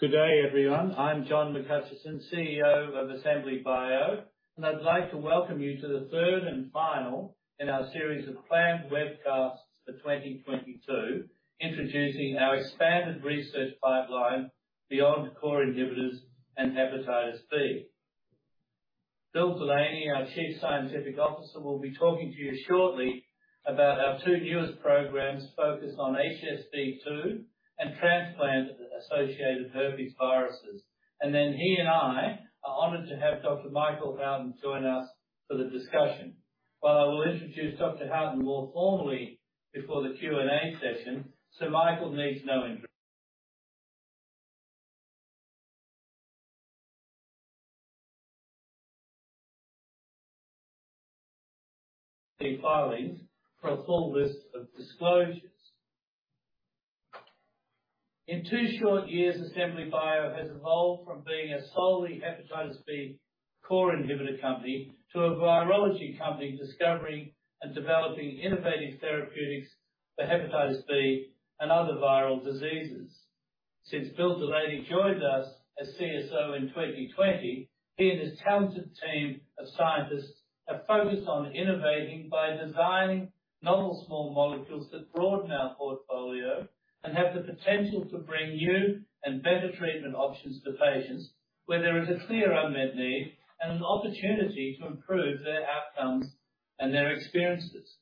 Good day everyone. I'm John McHutchison, CEO of Assembly Bio, and I'd like to welcome you to the third and final in our series of planned webcasts for 2022, introducing our expanded research pipeline beyond core inhibitors and hepatitis B. Bill Delaney, our Chief Scientific Officer, will be talking to you shortly about our two newest programs focused on HSV-2 and transplant-associated herpes viruses. He and I are honored to have Dr. Michael Houghton join us for the discussion. While I will introduce Dr. Houghton more formally before the Q&A session, Sir Michael needs no introduction. See the filings for a full list of disclosures. In two short years, Assembly Bio has evolved from being a solely hepatitis B core inhibitor company to a virology company discovering and developing innovative therapeutics for hepatitis B and other viral diseases. Since Bill Delaney joined us as CSO in 2020, he and his talented team of scientists have focused on innovating by designing novel small molecules that broaden our portfolio and have the potential to bring new and better treatment options to patients where there is a clear unmet need and an opportunity to improve their outcomes and their experiences.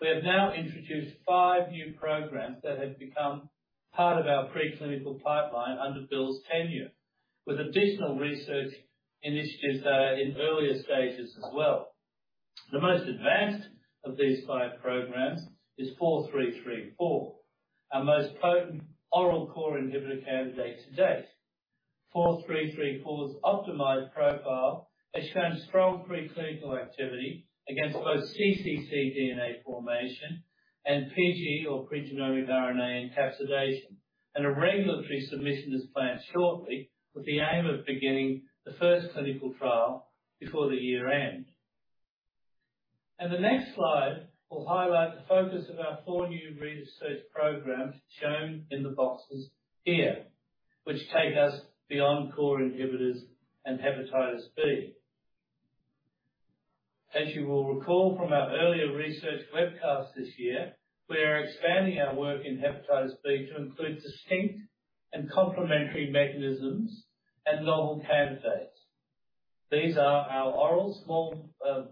We have now introduced five new programs that have become part of our pre-clinical pipeline under Bill's tenure, with additional research initiatives that are in earlier stages as well. The most advanced of these five programs is ABI-4334, our most potent oral core inhibitor candidate to date. ABI-4334's optimized profile has shown strong pre-clinical activity against both cccDNA formation and pg or pregenomic RNA encapsidation, and a regulatory submission is planned shortly with the aim of beginning the first clinical trial before the year end. The next slide will highlight the focus of our four new research programs shown in the boxes here, which take us beyond core inhibitors and hepatitis B. As you will recall from our earlier research webcast this year, we are expanding our work in hepatitis B to include distinct and complementary mechanisms and novel candidates. These are our oral small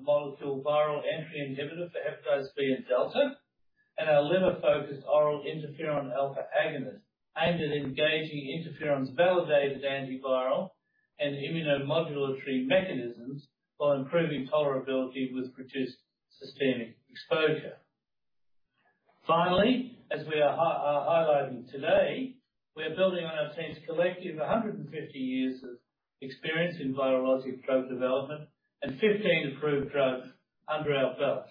molecule viral entry inhibitor for hepatitis B and Delta, and our liver-focused oral interferon alpha agonist aimed at engaging interferons, validated antiviral and immunomodulatory mechanisms, while improving tolerability with reduced systemic exposure. Finally, as we are highlighting today, we're building on our team's collective 150 years of experience in virologic drug development and 15 approved drugs under our belt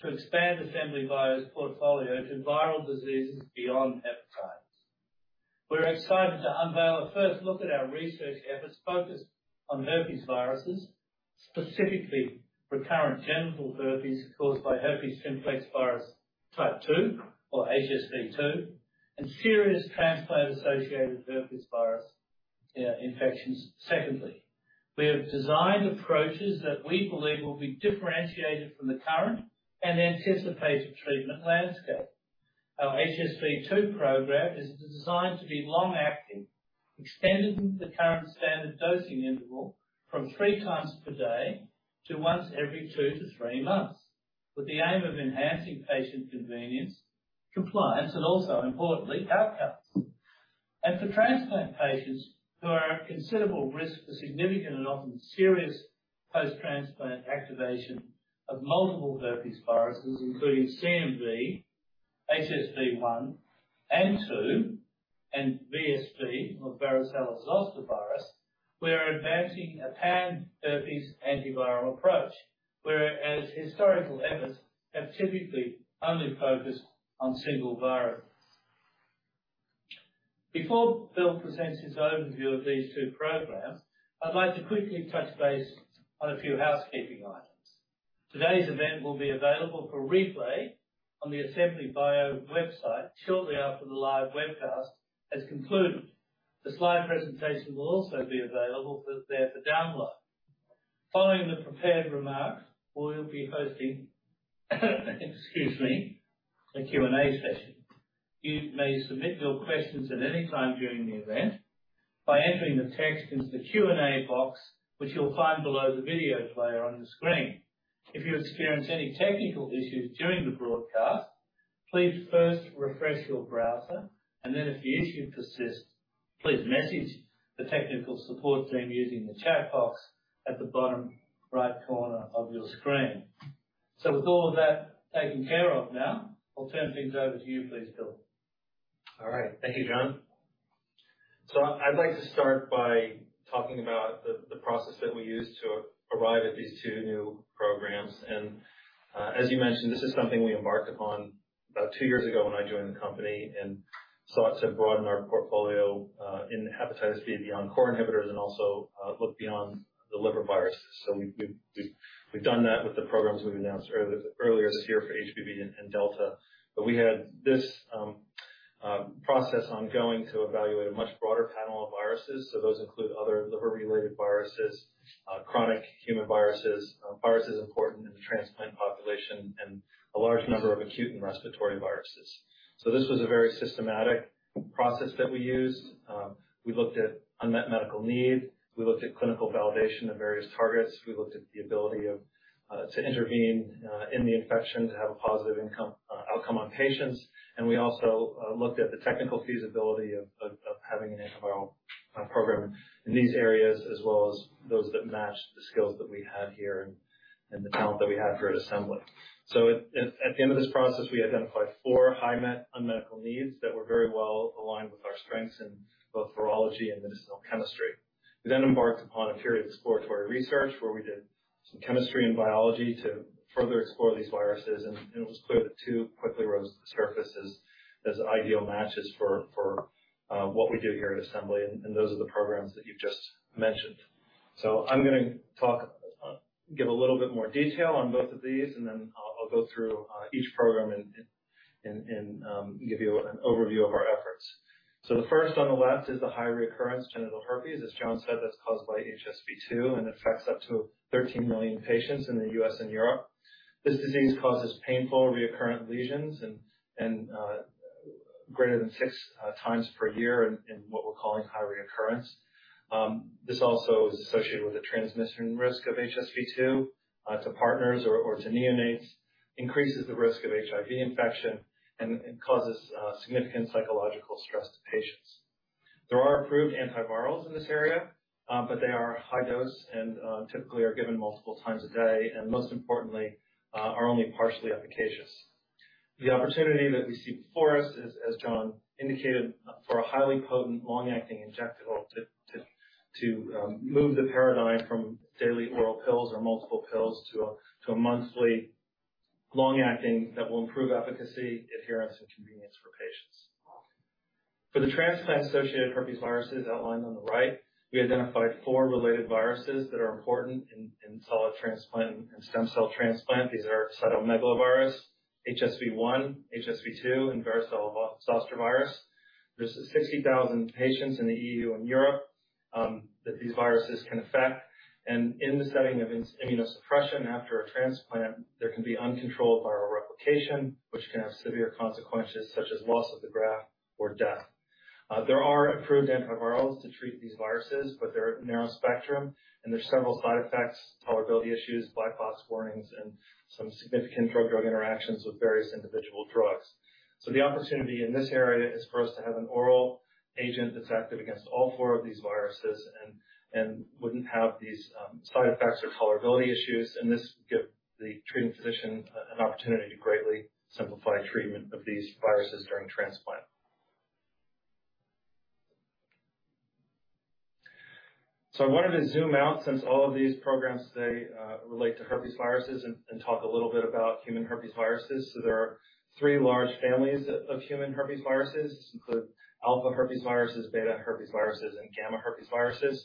to expand Assembly Bio's portfolio to viral diseases beyond hepatitis. We're excited to unveil a first look at our research efforts focused on herpes viruses, specifically recurrent genital herpes caused by herpes simplex virus type 2 or HSV-2, and serious transplant-associated herpes virus infections secondly. We have designed approaches that we believe will be differentiated from the current and anticipated treatment landscape. Our HSV-2 program is designed to be long-acting, extending the current standard dosing interval from three times per day to once every two to three months, with the aim of enhancing patient convenience, compliance and also importantly, outcomes. For transplant patients who are at considerable risk for significant and often serious post-transplant activation of multiple herpes viruses, including CMV, HSV-1 and 2, and VZV or varicella zoster virus, we are advancing a pan-herpes antiviral approach, whereas historical efforts have typically only focused on single viruses. Before Bill presents his overview of these two programs, I'd like to quickly touch base on a few housekeeping items. Today's event will be available for replay on the Assembly Bio website shortly after the live webcast has concluded. The slide presentation will also be available there for download. Following the prepared remarks, we'll be hosting, excuse me, a Q&A session. You may submit your questions at any time during the event by entering the text into the Q&A box, which you'll find below the video player on the screen. If you experience any technical issues during the broadcast, please first refresh your browser, and then if the issue persists, please message the technical support team using the chat box at the bottom right corner of your screen. With all of that taken care of now, I'll turn things over to you, please, Bill. All right. Thank you, John. I'd like to start by talking about the process that we used to arrive at these two new programs. As you mentioned, this is something we embarked upon about two years ago when I joined the company, and sought to broaden our portfolio in hepatitis B beyond core inhibitors and also look beyond the liver viruses. We've done that with the programs we've announced earlier this year for HBV and Delta. We had this process ongoing to evaluate a much broader panel of viruses. Those include other liver-related viruses, chronic human viruses important in the transplant population, and a large number of acute and respiratory viruses. This was a very systematic process that we used. We looked at unmet medical need, we looked at clinical validation of various targets, we looked at the ability to intervene in the infection to have a positive outcome on patients, and we also looked at the technical feasibility of having an antiviral program in these areas as well as those that matched the skills that we had here and the talent that we had here at Assembly. At the end of this process, we identified four high unmet medical needs that were very well aligned with our strengths in both virology and medicinal chemistry. We then embarked upon a period of exploratory research where we did some chemistry and biology to further explore these viruses, and it was clear that two quickly rose to the surface as ideal matches for what we do here at Assembly, and those are the programs that you just mentioned. I'm gonna talk, give a little bit more detail on both of these, and then I'll go through each program and give you an overview of our efforts. The first on the left is the high recurrence genital herpes. As John said, that's caused by HSV-2 and affects up to 13 million patients in the U.S. and Europe. This disease causes painful recurrent lesions and greater than 6x per year in what we're calling high recurrence. This also is associated with the transmission risk of HSV-2 to partners or to neonates, increases the risk of HIV infection, and it causes significant psychological stress to patients. There are approved antivirals in this area, but they are high dose and typically are given multiple times a day, and most importantly, are only partially efficacious. The opportunity that we see before us is, as John indicated, for a highly potent long-acting injectable to move the paradigm from daily oral pills or multiple pills to a monthly long-acting that will improve efficacy, adherence, and convenience for patients. For the transplant-associated herpesviruses outlined on the right, we identified four related viruses that are important in solid transplant and stem cell transplant. These are cytomegalovirus, HSV-1, HSV-2, and varicella zoster virus. There's 60,000 patients in the EU and Europe, that these viruses can affect. In the setting of immunosuppression after a transplant, there can be uncontrolled viral replication, which can have severe consequences such as loss of the graft or death. There are approved antivirals to treat these viruses, but they're narrow spectrum, and there's several side effects, tolerability issues, black box warnings, and some significant drug-drug interactions with various individual drugs. The opportunity in this area is for us to have an oral agent that's active against all four of these viruses and wouldn't have these side effects or tolerability issues, and this would give the treating physician an opportunity to greatly simplify treatment of these viruses during transplant. I wanted to zoom out since all of these programs today relate to herpesviruses and talk a little bit about human herpesviruses. There are three large families of human herpesviruses include alphaherpesviruses, betaherpesviruses, and gammaherpesviruses.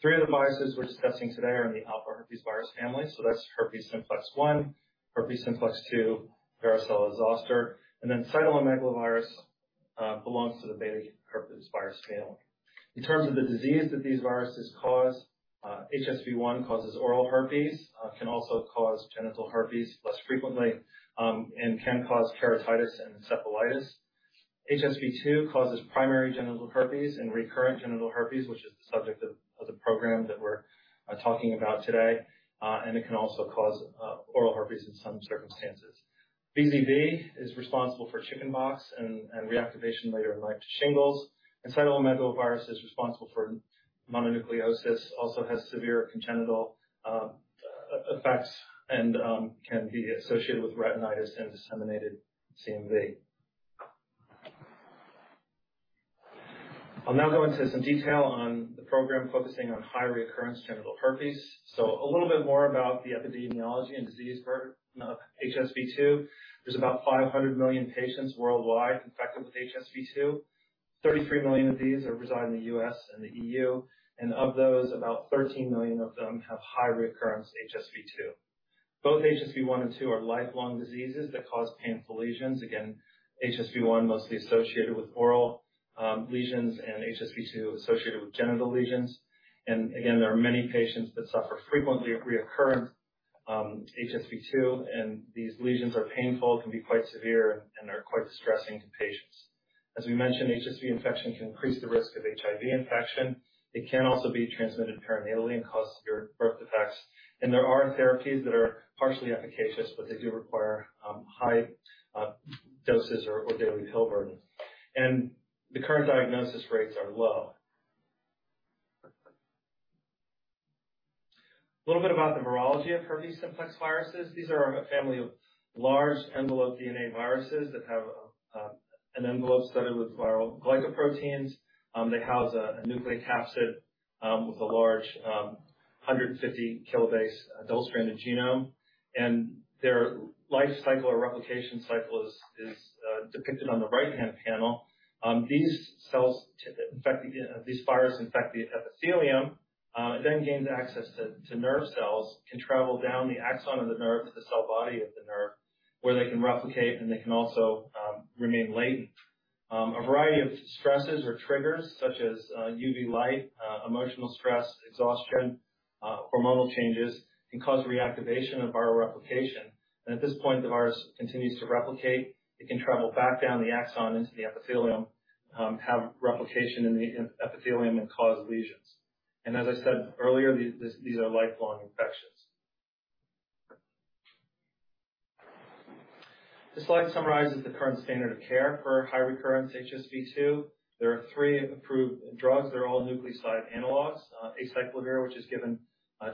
Three of the viruses we're discussing today are in the alphaherpesvirus family. That's herpes simplex 1, herpes simplex 2, varicella zoster, and then cytomegalovirus belongs to the betaherpesvirus family. In terms of the disease that these viruses cause, HSV-1 causes oral herpes, can also cause genital herpes less frequently, and can cause keratitis and encephalitis. HSV-2 causes primary genital herpes and recurrent genital herpes, which is the subject of the program that we're talking about today. It can also cause oral herpes in some circumstances. VZV is responsible for chickenpox and reactivation later in life to shingles. Cytomegalovirus is responsible for mononucleosis, also has severe congenital effects and can be associated with retinitis and disseminated CMV. I'll now go into some detail on the program focusing on high recurrence genital herpes. A little bit more about the epidemiology and disease burden of HSV-2. There's about 500 million patients worldwide infected with HSV-2. 33 million of these are residing in the U.S. and the EU. Of those, about 13 million of them have high recurrence HSV-2. Both HSV-1 and 2 are lifelong diseases that cause painful lesions. Again, HSV-1 mostly associated with oral lesions and HSV-2 associated with genital lesions. Again, there are many patients that suffer frequently with recurrent HSV-2, and these lesions are painful, can be quite severe, and they're quite distressing to patients. As we mentioned, HSV infection can increase the risk of HIV infection. It can also be transmitted perinatally and cause severe birth defects. There are therapies that are partially efficacious, but they do require high doses or daily pill burden. The current diagnosis rates are low. A little bit about the virology of herpes simplex viruses. These are a family of large enveloped DNA viruses that have an envelope studded with viral glycoproteins. They house a nucleocapsid with a large 150 kilobase double-stranded genome. Their life cycle or replication cycle is depicted on the right-hand panel. These cells infect the... These viruses infect the epithelium, then gains access to nerve cells, can travel down the axon of the nerve to the cell body of the nerve, where they can replicate, and they can also remain latent. A variety of stresses or triggers such as UV light, emotional stress, exhaustion, hormonal changes can cause reactivation of viral replication. At this point, the virus continues to replicate. It can travel back down the axon into the epithelium, have replication in the epithelium, and cause lesions. As I said earlier, these are lifelong infections. This slide summarizes the current standard of care for high recurrence HSV-2. There are three approved drugs. They're all nucleoside analogues. Acyclovir, which is given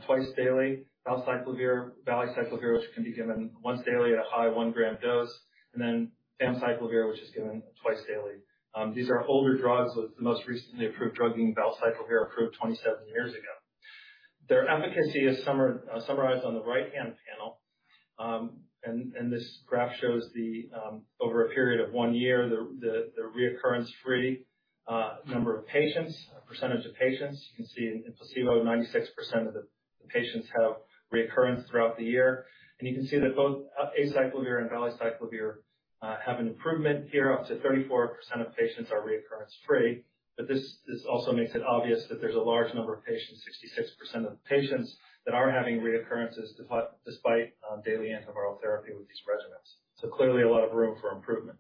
twice daily. Valacyclovir, which can be given once daily at a high 1-gram dose. Then famciclovir, which is given twice daily. These are older drugs, with the most recently approved drug being valacyclovir, approved 27 years ago. Their efficacy is summarized on the right-hand panel. This graph shows over a period of one year the recurrence-free number of patients, percentage of patients. You can see in placebo, 96% of the patients have recurrence throughout the year. You can see that both acyclovir and valacyclovir have an improvement here, up to 34% of patients are recurrence-free. This also makes it obvious that there's a large number of patients, 66% of patients, that are having recurrences despite daily antiviral therapy with these regimens. Clearly a lot of room for improvement.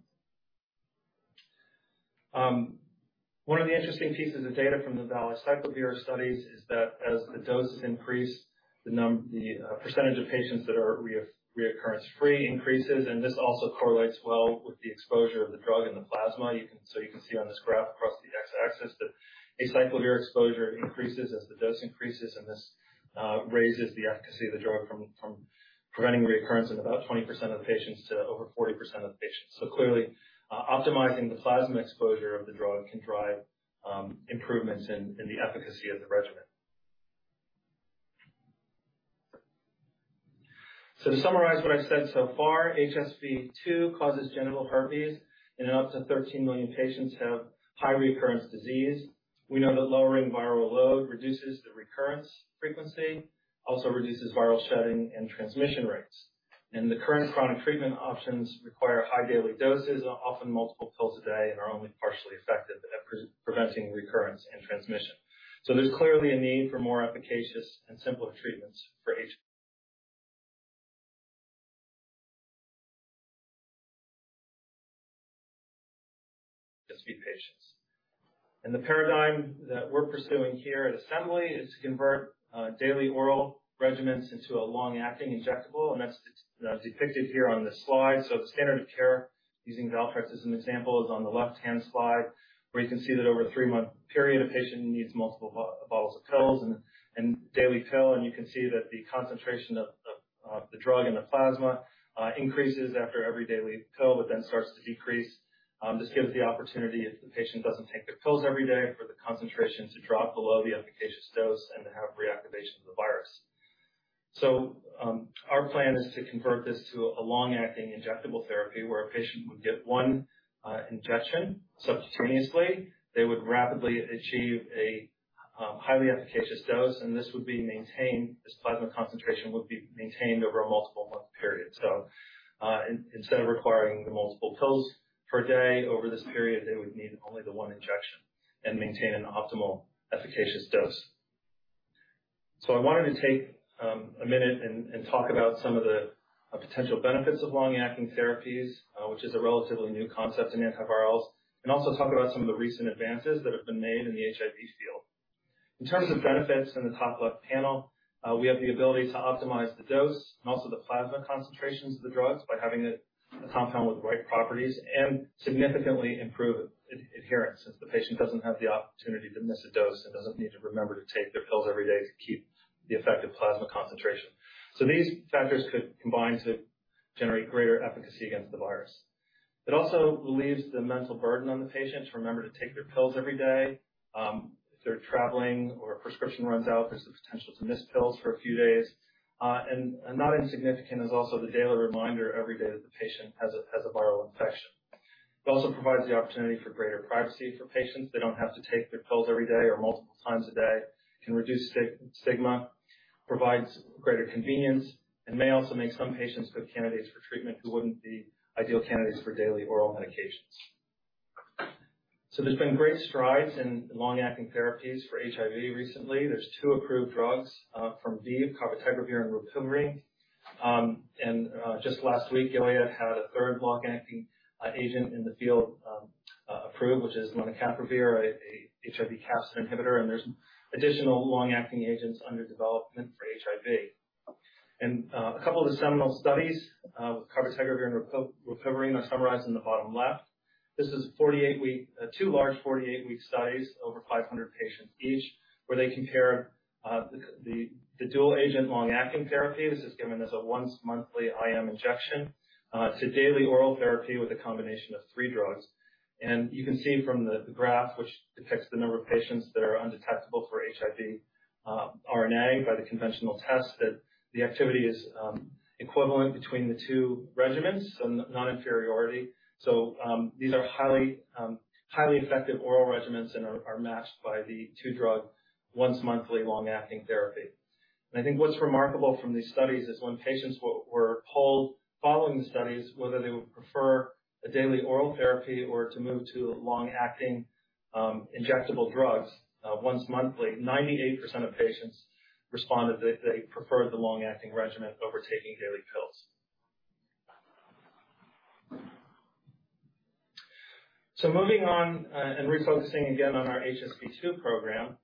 One of the interesting pieces of data from the valacyclovir studies is that as the doses increase, the percentage of patients that are recurrence-free increases, and this also correlates well with the exposure of the drug in the plasma. You can see on this graph across the x-axis that acyclovir exposure increases as the dose increases, and this raises the efficacy of the drug from preventing recurrence in about 20% of patients to over 40% of patients. Clearly, optimizing the plasma exposure of the drug can drive improvements in the efficacy of the regimen. To summarize what I've said so far, HSV-2 causes genital herpes, and up to 13 million patients have high recurrence disease. We know that lowering viral load reduces the recurrence frequency, also reduces viral shedding and transmission rates. The current chronic treatment options require high daily doses, often multiple pills a day, and are only partially effective at preventing recurrence and transmission. There's clearly a need for more efficacious and simpler treatments for HSV patients. The paradigm that we're pursuing here at Assembly is to convert daily oral regimens into a long-acting injectable, and that's depicted here on this slide. The standard of care, using Valtrex as an example, is on the left-hand slide, where you can see that over a three-month period, a patient needs multiple bottles of pills and daily pill. You can see that the concentration of the drug in the plasma increases after every daily pill, but then starts to decrease. This gives the opportunity if the patient doesn't take their pills every day for the concentrations to drop below the efficacious dose and to have reactivation of the virus. Our plan is to convert this to a long-acting injectable therapy where a patient would get one injection subcutaneously. They would rapidly achieve a highly efficacious dose, and this would be maintained. This plasma concentration would be maintained over a multiple-month period. Instead of requiring the multiple pills per day over this period, they would need only the one injection and maintain an optimal efficacious dose. I wanted to take a minute and talk about some of the potential benefits of long-acting therapies, which is a relatively new concept in antivirals, and also talk about some of the recent advances that have been made in the HIV field. In terms of benefits in the top left panel, we have the ability to optimize the dose and also the plasma concentrations of the drugs by having a compound with the right properties, and significantly improve adherence, since the patient doesn't have the opportunity to miss a dose and doesn't need to remember to take their pills every day to keep the effect of plasma concentration. These factors could combine to generate greater efficacy against the virus. It also relieves the mental burden on the patient to remember to take their pills every day. If they're traveling or a prescription runs out, there's the potential to miss pills for a few days. And not insignificant is also the daily reminder every day that the patient has a viral infection. It also provides the opportunity for greater privacy for patients. They don't have to take their pills every day or multiple times a day. It can reduce stigma, provides greater convenience, and may also make some patients good candidates for treatment who wouldn't be ideal candidates for daily oral medications. There's been great strides in long-acting therapies for HIV recently. There's two approved drugs from ViiV, cabotegravir and rilpivirine. Just last week, Gilead had a third long-acting agent in the field approved, which is lenacapavir, a HIV capsid inhibitor, and there's additional long-acting agents under development for HIV. A couple of the seminal studies with cabotegravir and rilpivirine are summarized in the bottom left. This is two large 48-week studies, over 500 patients each, where they compare the dual agent long-acting therapy. This is given as a once-monthly IM injection to daily oral therapy with a combination of 3 drugs. You can see from the graph, which depicts the number of patients that are undetectable for HIV RNA by the conventional test, that the activity is equivalent between the two regimens, so non-inferiority. These are highly effective oral regimens and are matched by the 2-drug, once-monthly, long-acting therapy. I think what's remarkable from these studies is when patients were polled following the studies, whether they would prefer a daily oral therapy or to move to long-acting injectable drugs once monthly, 98% of patients responded that they preferred the long-acting regimen over taking daily pills. Moving on and refocusing again on our HSV-2 program,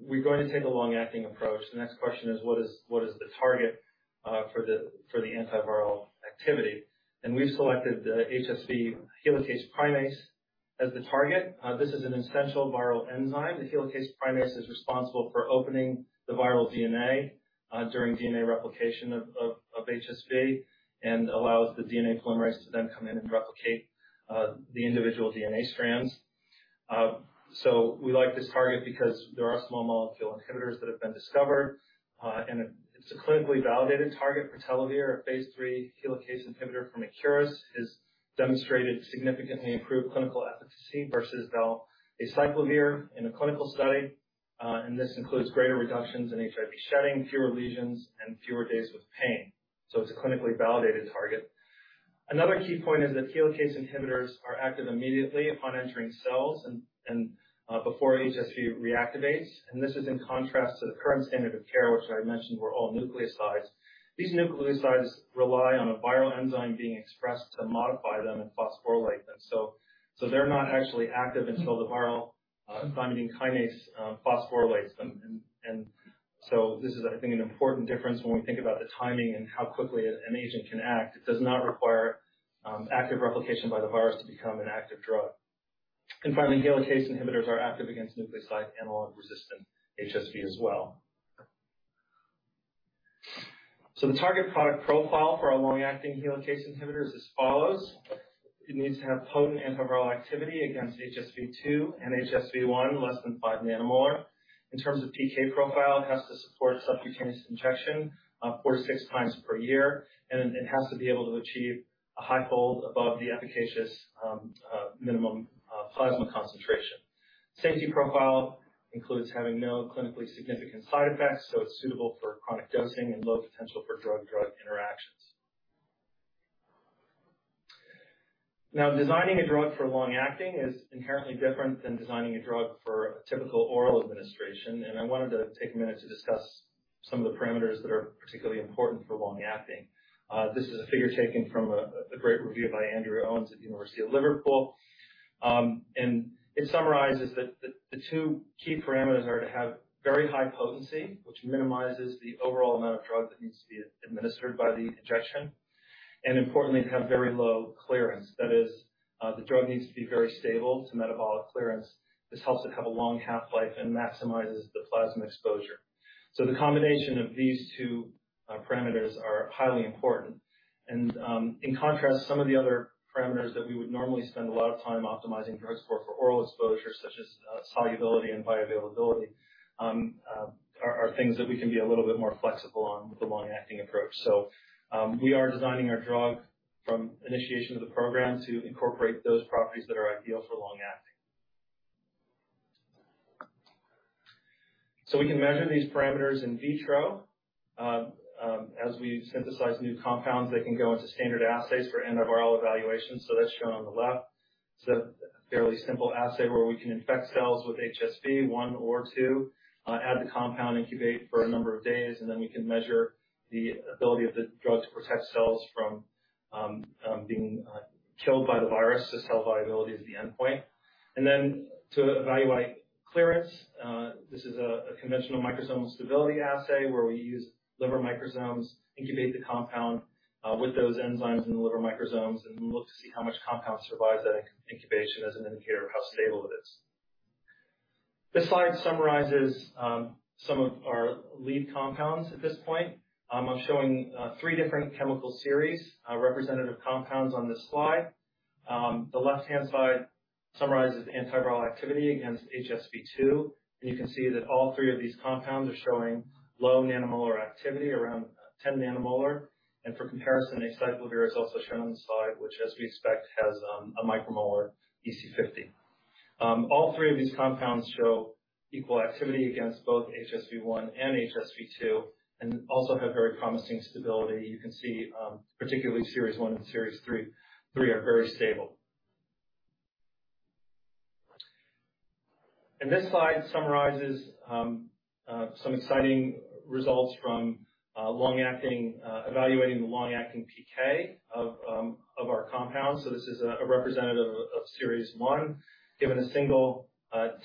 we're going to take a long-acting approach. The next question is what is the target for the antiviral activity? We've selected the HSV helicase-primase as the target. This is an essential viral enzyme. The helicase-primase is responsible for opening the viral DNA during DNA replication of HSV and allows the DNA polymerase to then come in and replicate the individual DNA strands. We like this target because there are small molecule inhibitors that have been discovered, and it's a clinically validated target for pritelivir, a phase 3 helicase-primase inhibitor from AiCuris, has demonstrated significantly improved clinical efficacy versus valacyclovir in a clinical study. This includes greater reductions in HSV shedding, fewer lesions, and fewer days with pain. It's a clinically validated target. Another key point is that helicase inhibitors are active immediately upon entering cells and before HSV reactivates. This is in contrast to the current standard of care, which I mentioned were all nucleosides. These nucleosides rely on a viral enzyme being expressed to modify them and phosphorylate them. They're not actually active until the viral thymidine kinase phosphorylates them. This is I think an important difference when we think about the timing and how quickly an agent can act. It does not require active replication by the virus to become an active drug. Finally, helicase inhibitors are active against nucleoside analog-resistant HSV as well. The target product profile for our long-acting helicase inhibitor is as follows. It needs to have potent antiviral activity against HSV-2 and HSV-1, less than 5 nanomolar. In terms of PK profile, it has to support subcutaneous injection, four to six times per year, and it has to be able to achieve a high hold above the efficacious minimum plasma concentration. Safety profile includes having no clinically significant side effects, so it's suitable for chronic dosing and low potential for drug-drug interactions. Designing a drug for long-acting is inherently different than designing a drug for typical oral administration, and I wanted to take a minute to discuss some of the parameters that are particularly important for long-acting. This is a figure taken from a great review by Andrew Owen at the University of Liverpool. It summarizes that the two key parameters are to have very high potency, which minimizes the overall amount of drug that needs to be administered by the injection. Importantly, to have very low clearance. That is, the drug needs to be very stable to metabolic clearance. This helps it have a long half-life and maximizes the plasma exposure. The combination of these two parameters are highly important. In contrast, some of the other parameters that we would normally spend a lot of time optimizing drugs for oral exposure, such as, solubility and bioavailability, are things that we can be a little bit more flexible on with the long-acting approach. We are designing our drug from initiation of the program to incorporate those properties that are ideal for long-acting. We can measure these parameters in vitro. As we synthesize new compounds, they can go into standard assays for antiviral evaluations. That's shown on the left. It's a fairly simple assay where we can infect cells with HSV 1 or 2, add the compound, incubate for a number of days, and then we can measure the ability of the drug to protect cells from being killed by the virus. The cell viability is the endpoint. Then to evaluate clearance, this is a conventional microsomal stability assay where we use liver microsomes, incubate the compound with those enzymes in the liver microsomes, and look to see how much compound survives that incubation as an indicator of how stable it is. This slide summarizes some of our lead compounds at this point. I'm showing three different chemical series, representative compounds on this slide. The left-hand side summarizes antiviral activity against HSV-2. You can see that all three of these compounds are showing low nanomolar activity around 10 nanomolar. For comparison, aciclovir is also shown on the side, which as we expect has a micromolar EC50. All three of these compounds show equal activity against both HSV-1 and HSV-2, and also have very promising stability. You can see particularly series one and series three are very stable. This slide summarizes some exciting results from evaluating the long-acting PK of our compounds. This is a representative of series one, given a single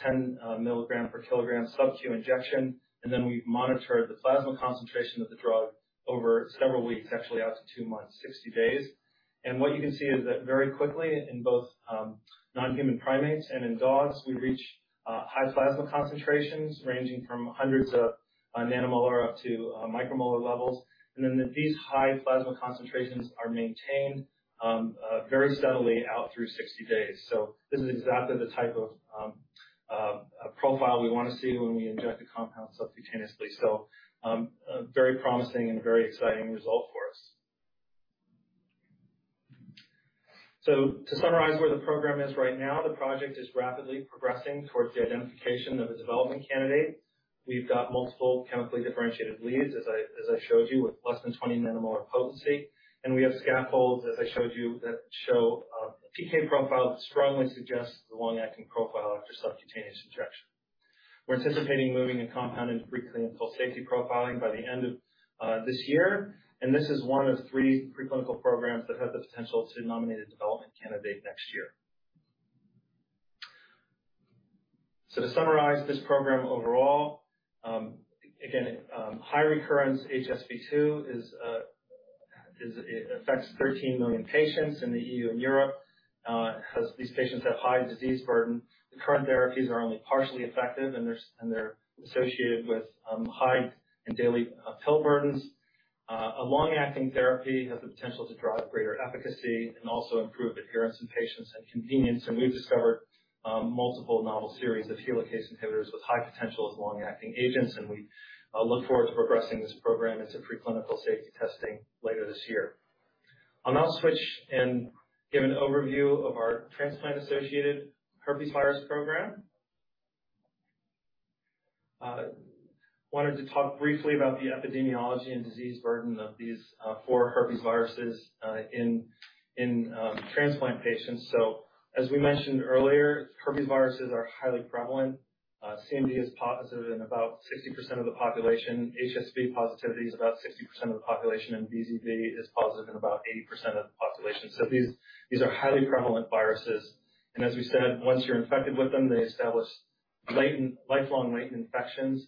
10 mg/kg sub-Q injection, and then we've monitored the plasma concentration of the drug over several weeks, actually out to two months, 60 days. What you can see is that very quickly in both non-human primates and in dogs, we reach high plasma concentrations ranging from hundreds of nanomolar up to micromolar levels. Then these high plasma concentrations are maintained very steadily out through 60 days. This is exactly the type of profile we wanna see when we inject the compound subcutaneously. A very promising and very exciting result for us. To summarize where the program is right now, the project is rapidly progressing towards the identification of a development candidate. We've got multiple chemically differentiated leads, as I showed you, with less than 20 nanomolar potency. We have scaffolds, as I showed you, that show a PK profile that strongly suggests the long-acting profile after subcutaneous injection. We're anticipating moving a compound into pre-clinical safety profiling by the end of this year. This is one of three pre-clinical programs that have the potential to nominate a development candidate next year. To summarize this program overall, high recurrence HSV-2 affects 13 million patients in the EU and Europe. It has these patients that have high disease burden. The current therapies are only partially effective, and they're associated with high and daily pill burdens. A long-acting therapy has the potential to drive greater efficacy and also improve adherence in patients and convenience. We've discovered multiple novel series of helicase inhibitors with high potential of long-acting agents. We look forward to progressing this program into pre-clinical safety testing later this year. I'll now switch and give an overview of our transplant-associated herpes virus program. Wanted to talk briefly about the epidemiology and disease burden of these four herpes viruses in transplant patients. As we mentioned earlier, herpes viruses are highly prevalent. CMV is positive in about 60% of the population. HSV positivity is about 60% of the population, and VZV is positive in about 80% of the population. These are highly prevalent viruses. As we said, once you're infected with them, they establish lifelong latent infections.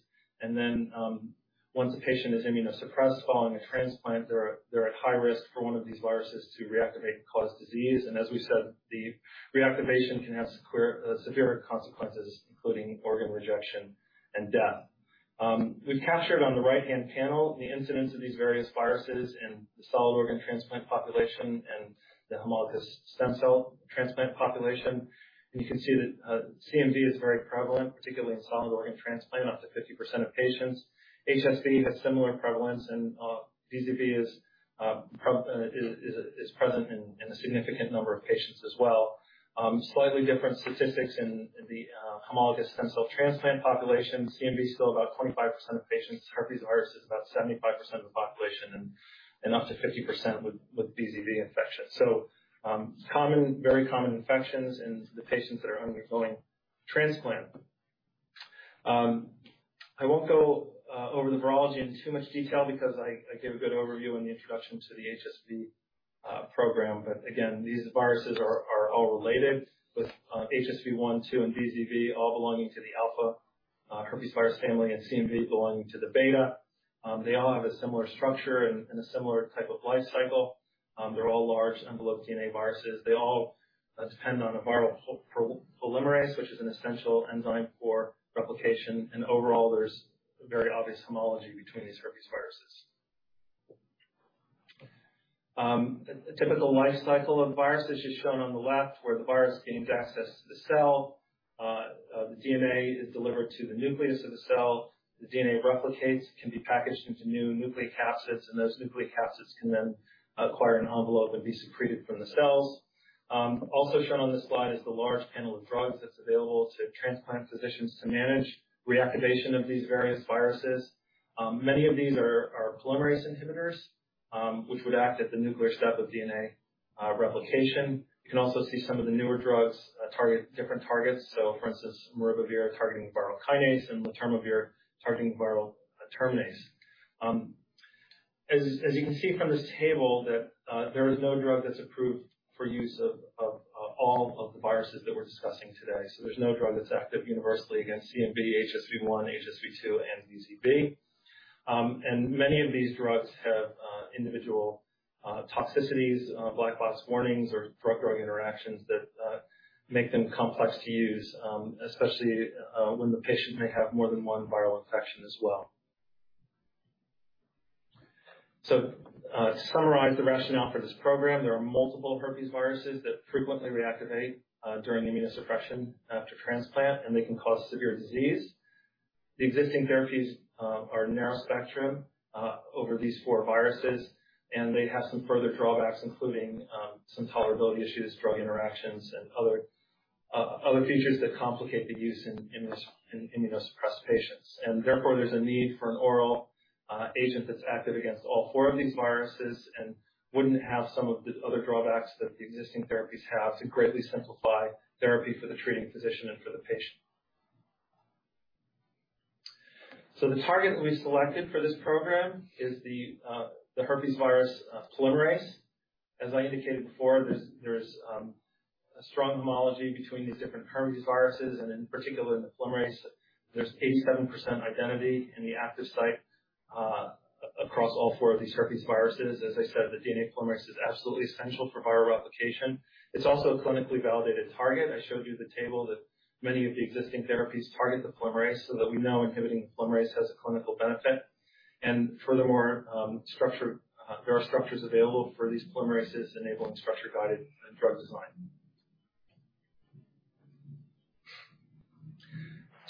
Once the patient is immunosuppressed following a transplant, they're at high risk for one of these viruses to reactivate and cause disease. As we said, the reactivation can have severe consequences, including organ rejection and death. We've captured on the right-hand panel the incidence of these various viruses in the solid organ transplant population and the hematopoietic stem cell transplant population. You can see that CMV is very prevalent, particularly in solid organ transplant, up to 50% of patients. HSV has similar prevalence and VZV is present in a significant number of patients as well. Slightly different statistics in the hematopoietic stem cell transplant population. CMV is still about 25% of patients. Herpes virus is about 75% of the population and up to 50% with VZV infection. Very common infections in the patients that are undergoing transplant. I won't go over the virology in too much detail because I gave a good overview in the introduction to the HSV program. Again, these viruses are all related with HSV-1, HSV-2, and VZV all belonging to the alpha herpes virus family, and CMV belonging to the beta. They all have a similar structure and a similar type of life cycle. They're all large envelope DNA viruses. They all depend on a viral polymerase, which is an essential enzyme for replication. Overall, there's a very obvious homology between these herpesviruses. The typical life cycle of viruses is shown on the left, where the virus gains access to the cell. The DNA is delivered to the nucleus of the cell. The DNA replicates, can be packaged into new nucleocapsids, and those nucleocapsids can then acquire an envelope and be secreted from the cells. Also shown on this slide is the large panel of drugs that's available to transplant physicians to manage reactivation of these various viruses. Many of these are polymerase inhibitors, which would act at the nuclear step of DNA replication. You can also see some of the newer drugs target different targets. For instance, maribavir targeting viral kinase and letermovir targeting viral terminase. As you can see from this table that there is no drug that's approved for use of all of the viruses that we're discussing today. There's no drug that's active universally against CMV, HSV-1, HSV-2, and VZV. Many of these drugs have individual toxicities, black box warnings or drug-drug interactions that make them complex to use, especially when the patient may have more than one viral infection as well. To summarize the rationale for this program, there are multiple herpes viruses that frequently reactivate during immunosuppression after transplant, and they can cause severe disease. The existing therapies are narrow spectrum over these four viruses, and they have some further drawbacks, including some tolerability issues, drug interactions, and other features that complicate the use in immunosuppressed patients. Therefore, there's a need for an oral agent that's active against all four of these viruses and wouldn't have some of the other drawbacks that the existing therapies have to greatly simplify therapy for the treating physician and for the patient. The target we selected for this program is the herpes virus polymerase. As I indicated before, there's a strong homology between these different herpes viruses and in particular in the polymerase. There's 87% identity in the active site across all four of these herpes viruses. As I said, the DNA polymerase is absolutely essential for viral replication. It's also a clinically validated target. I showed you the table that many of the existing therapies target the polymerase so that we know inhibiting the polymerase has a clinical benefit. Furthermore, there are structures available for these polymerases enabling structure-guided drug design.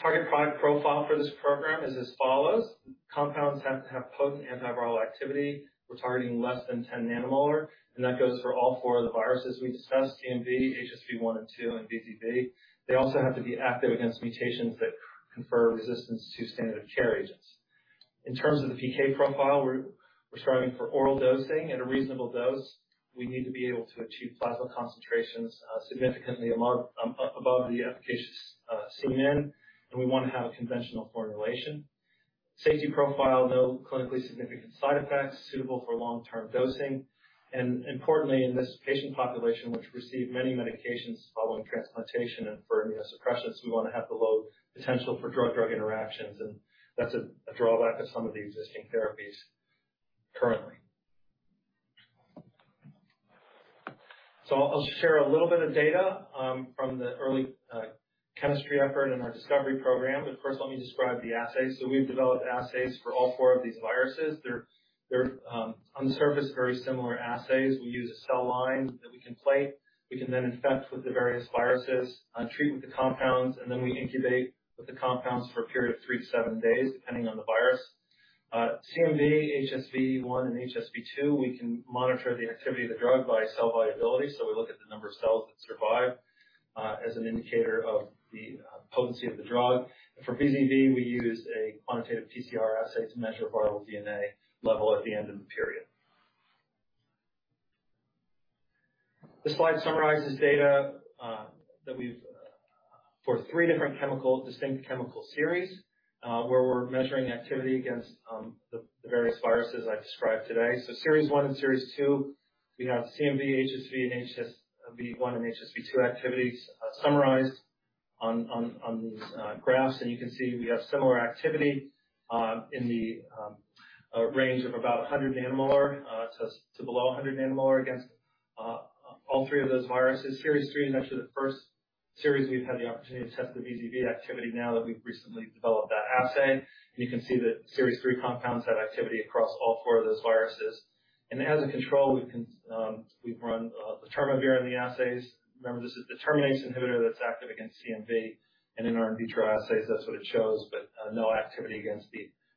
Target product profile for this program is as follows. Compounds have to have potent antiviral activity. We're targeting less than 10 nanomolar, and that goes for all four of the viruses we discussed, CMV, HSV-1 and 2, and VZV. They also have to be active against mutations that confer resistance to standard of care agents. In terms of the PK profile, we're striving for oral dosing at a reasonable dose. We need to be able to achieve plasma concentrations significantly above the efficacious Cmin, and we wanna have a conventional formulation. Safety profile, no clinically significant side effects, suitable for long-term dosing. Importantly, in this patient population, which receive many medications following transplantation and for immunosuppressants, we wanna have the low potential for drug-drug interactions. That's a drawback of some of the existing therapies currently. I'll share a little bit of data from the early chemistry effort in our discovery program. First, let me describe the assays. We've developed assays for all four of these viruses. They're on the surface very similar assays. We use a cell line that we can plate. We can then infect with the various viruses, treat with the compounds, and then we incubate with the compounds for a period of three to seven days, depending on the virus. CMV, HSV one, and HSV two, we can monitor the activity of the drug by cell viability. We look at the number of cells that survive as an indicator of the potency of the drug. For VZV, we use a quantitative PCR assay to measure viral DNA level at the end of the period. This slide summarizes data that we have for three different distinct chemical series where we are measuring activity against the various viruses I described today. Series one and series two, we have CMV, HSV, and HSV-1 and HSV-2 activities summarized on these graphs. You can see we have similar activity in the range of about 100 nanomolar to below 100 nanomolar against all three of those viruses. Series three is actually the first series we have had the opportunity to test the VZV activity now that we have recently developed that assay. You can see that series three compounds have activity across all four of those viruses. As a control, we've run letermovir here in the assays. Remember, this is the terminase inhibitor that's active against CMV. In our in vitro assays, that's what it shows, but no activity against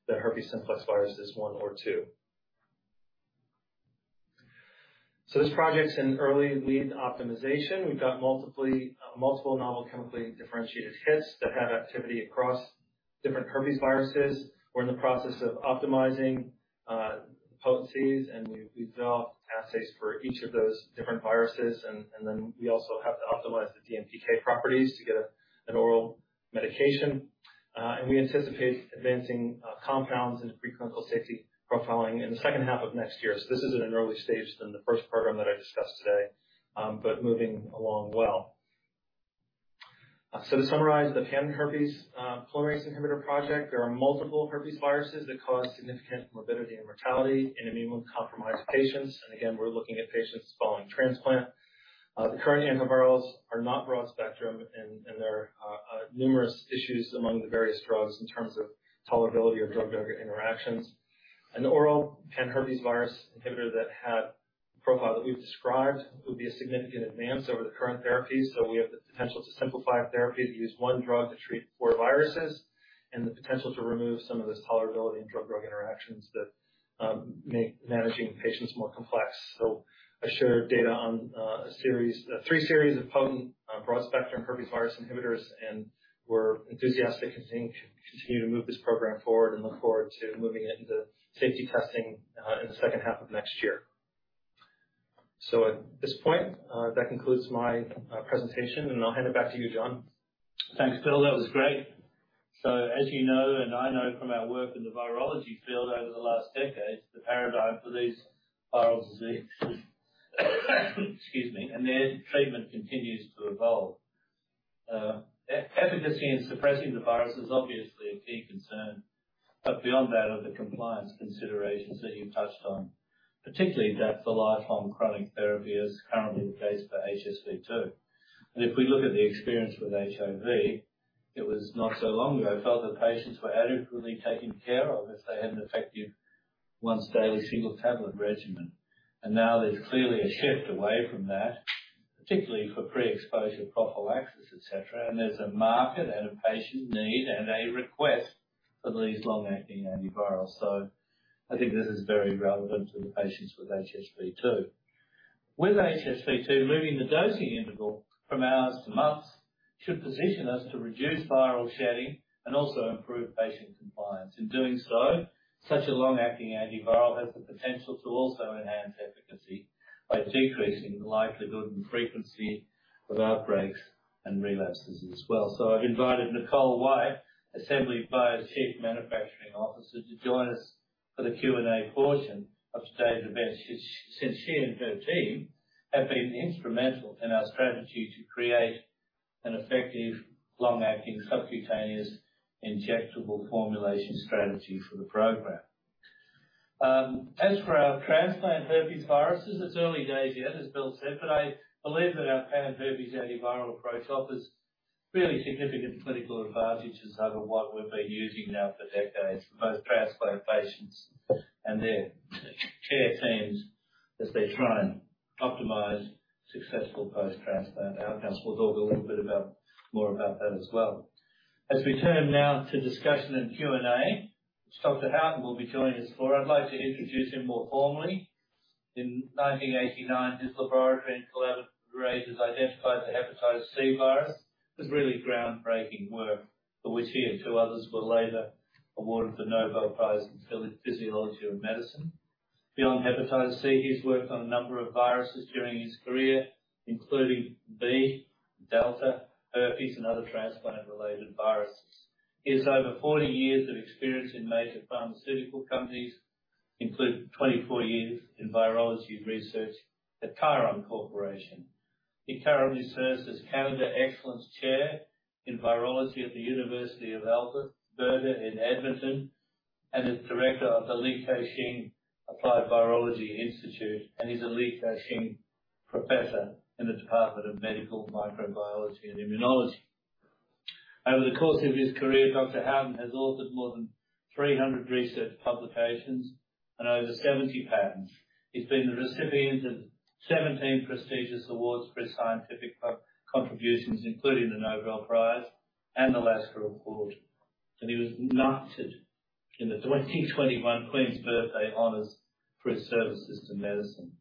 the herpes simplex viruses 1 or 2. This project's in early lead optimization. We've got multiple novel chemically differentiated hits that have activity across different herpesviruses. We're in the process of optimizing potencies, and we develop assays for each of those different viruses. We also have to optimize the DMPK properties to get an oral medication. We anticipate advancing compounds into preclinical safety profiling in the second half of next year. This is in an earlier stage than the first program that I discussed today, but moving along well. To summarize the pan-herpes polymerase inhibitor project, there are multiple herpesviruses that cause significant morbidity and mortality in immunocompromised patients. We're looking at patients following transplant. The current antivirals are not broad-spectrum, and there are numerous issues among the various drugs in terms of tolerability or drug-drug interactions. An oral pan-herpesvirus inhibitor that had profile that we've described would be a significant advance over the current therapies. We have the potential to simplify therapy, to use one drug to treat four viruses, and the potential to remove some of this tolerability and drug-drug interactions that make managing patients more complex. I shared data on a series, three series of potent broad-spectrum herpesvirus inhibitors, and we're enthusiastic and continue to move this program forward and look forward to moving it into safety testing in the second half of next year. At this point that concludes my presentation, and I'll hand it back to you, John. Thanks, Bill. That was great. As you know, and I know from our work in the virology field over the last decade, the paradigm for these viral diseases excuse me, and their treatment continues to evolve. Efficacy in suppressing the virus is obviously a key concern. Beyond that are the compliance considerations that you touched on, particularly that for lifelong chronic therapy, as is currently the case for HSV-2. If we look at the experience with HIV, it was not so long ago, I felt that patients were adequately taken care of if they had an effective once-daily single tablet regimen. Now there's clearly a shift away from that, particularly for pre-exposure prophylaxis, et cetera. There's a market and a patient need and a request for these long-acting antivirals. I think this is very relevant to the patients with HSV-2. With HSV-2, moving the dosing interval from hours to months should position us to reduce viral shedding and also improve patient compliance. In doing so, such a long-acting antiviral has the potential to also enhance efficacy by decreasing the likelihood and frequency of outbreaks and relapses as well. I've invited Nicole White, Assembly Bio's Chief Manufacturing Officer, to join us for the Q&A portion of today's event since she and her team have been instrumental in our strategy to create an effective long-acting subcutaneous injectable formulation strategy for the program. As for our transplant herpesviruses, it's early days yet, as Bill said. I believe that our pan-herpes antiviral approach offers really significant clinical advantages over what we've been using now for decades for both transplant patients and their care teams as they try and optimize successful post-transplant outcomes. We'll talk a little bit more about that as well. As we turn now to discussion and Q&A, which Dr. Houghton will be joining us for, I'd like to introduce him more formally. In 1989, his laboratory in collaboration identified the hepatitis C virus. It's really groundbreaking work, for which he and two others were later awarded the Nobel Prize in Physiology or Medicine. Beyond hepatitis C, he's worked on a number of viruses during his career, including B, delta, herpes, and other transplant-related viruses. His over 40 years of experience in major pharmaceutical companies include 24 years in virology research at Chiron Corporation. He currently serves as Canada Excellence Research Chair in Virology at the University of Alberta in Edmonton, and is Director of the Li Ka Shing Applied Virology Institute, and he's a Li Ka Shing Professor in the Department of Medical Microbiology and Immunology. Over the course of his career, Dr. Houghton has authored more than 300 research publications and over 70 patents. He's been the recipient of 17 prestigious awards for his scientific contributions, including the Nobel Prize and the Lasker Award. He was knighted in the 2021 Queen's Birthday Honours for his services to medicine.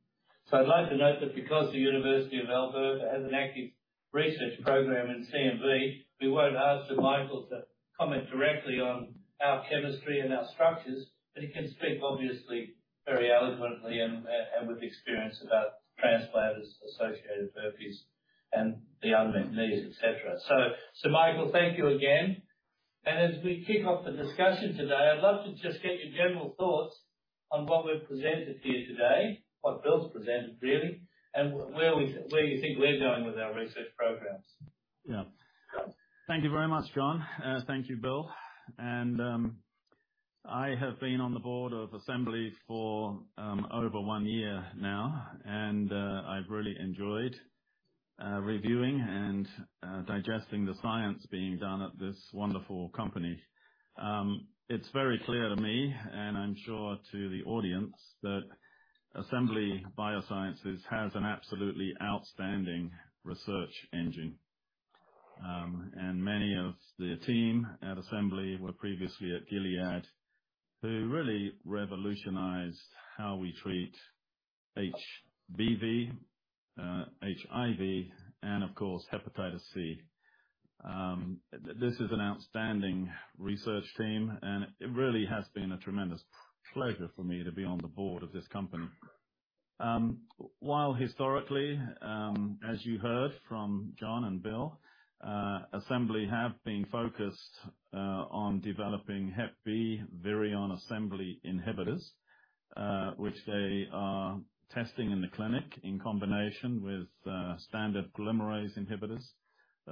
I'd like to note that because the University of Alberta has an active research program in CMV, we won't ask Sir Michael to comment directly on our chemistry and our structures, but he can speak obviously very eloquently and with experience about transplant-associated herpes and the unmet needs, et cetera. Sir Michael, thank you again. As we kick off the discussion today, I'd love to just get your general thoughts on what we've presented to you today, what Bill's presented really, and where you think we're going with our research programs. Yeah. Thank you very much, John. Thank you, Bill. I have been on the board of Assembly for over one year now, and I've really enjoyed reviewing and digesting the science being done at this wonderful company. It's very clear to me, and I'm sure to the audience, that Assembly Biosciences has an absolutely outstanding research engine. Many of the team at Assembly were previously at Gilead, who really revolutionized how we treat HBV, HIV and of course, hepatitis C. This is an outstanding research team, and it really has been a tremendous pleasure for me to be on the board of this company. While historically, as you heard from John and Bill, Assembly have been focused on developing hep B virion assembly inhibitors, which they are testing in the clinic in combination with standard polymerase inhibitors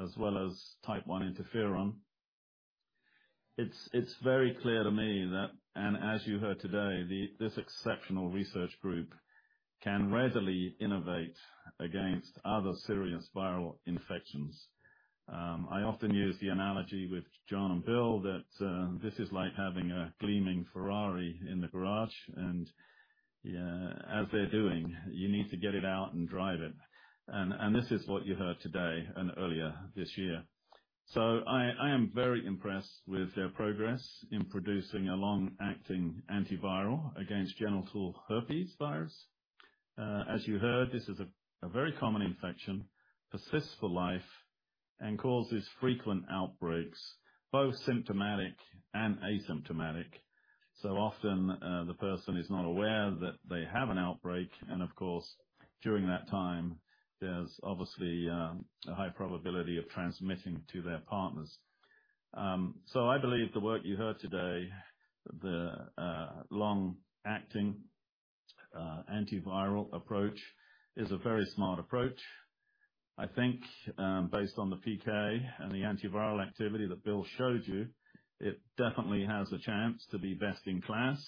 as well as type one interferon. It's very clear to me that, and as you heard today, this exceptional research group can readily innovate against other serious viral infections. I often use the analogy with John and Bill that this is like having a gleaming Ferrari in the garage, and as they're doing, you need to get it out and drive it. This is what you heard today and earlier this year. I am very impressed with their progress in producing a long-acting antiviral against genital herpes virus. As you heard, this is a very common infection, persists for life and causes frequent outbreaks, both symptomatic and asymptomatic. Often, the person is not aware that they have an outbreak, and of course, during that time, there's obviously a high probability of transmitting to their partners. I believe the work you heard today, the long-acting antiviral approach is a very smart approach. I think, based on the PK and the antiviral activity that Bill showed you, it definitely has a chance to be best in class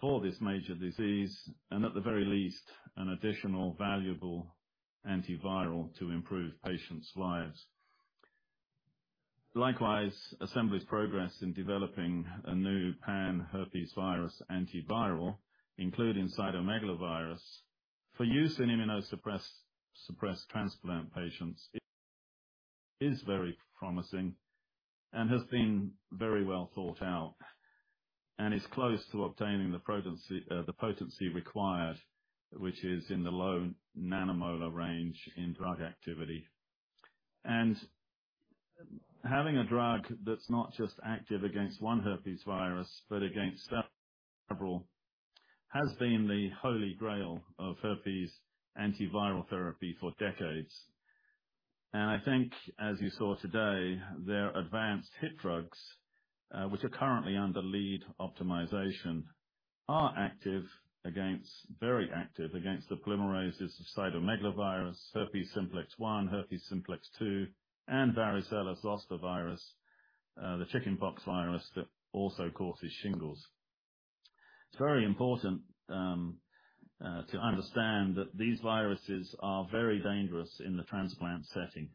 for this major disease, and at the very least, an additional valuable antiviral to improve patients' lives. Likewise, Assembly's progress in developing a new pan-herpes virus antiviral, including cytomegalovirus, for use in immunosuppressed transplant patients is very promising and has been very well thought out, and is close to obtaining the potency required, which is in the low nanomolar range in drug activity. Having a drug that's not just active against one herpes virus, but against several, has been the holy grail of herpes antiviral therapy for decades. I think, as you saw today, their advanced hit drugs, which are currently under lead optimization, are very active against the polymerases of cytomegalovirus, herpes simplex 1, herpes simplex 2, and varicella zoster virus, the chickenpox virus that also causes shingles. It's very important to understand that these viruses are very dangerous in the transplant setting,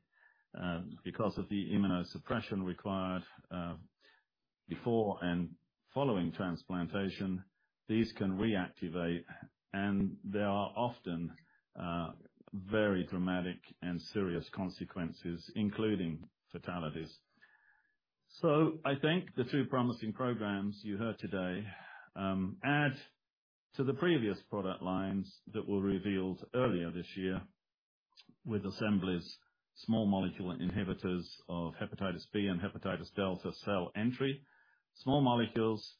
because of the immunosuppression required, before and following transplantation. These can reactivate, and there are often very dramatic and serious consequences, including fatalities. I think the two promising programs you heard today add to the previous product lines that were revealed earlier this year with Assembly's small molecule inhibitors of hepatitis B and hepatitis delta cell entry. Small molecules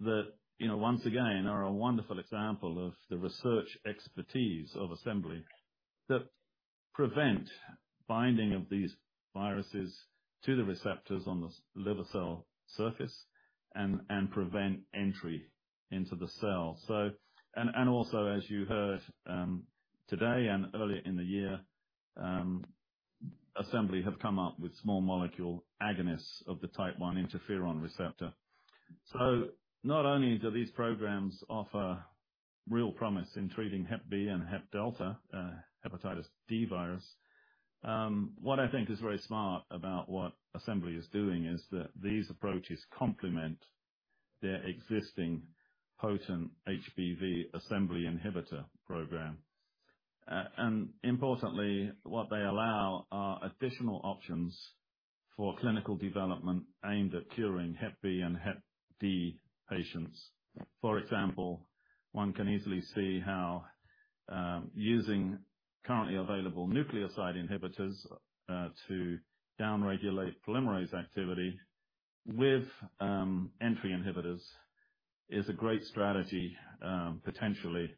that once again are a wonderful example of the research expertise of Assembly that prevent binding of these viruses to the receptors on the liver cell surface and prevent entry into the cell. Also as you heard today and earlier in the year, Assembly have come up with small molecule agonists of the type I interferon receptor. Not only do these programs offer real promise in treating hep B and hep delta, hepatitis D virus, what I think is very smart about what Assembly is doing is that these approaches complement their existing potent HBV assembly inhibitor program. Importantly, what they allow are additional options for clinical development aimed at curing hep B and hep D patients. For example, one can easily see how using currently available nucleoside inhibitors to down-regulate polymerase activity with entry inhibitors is a great strategy potentially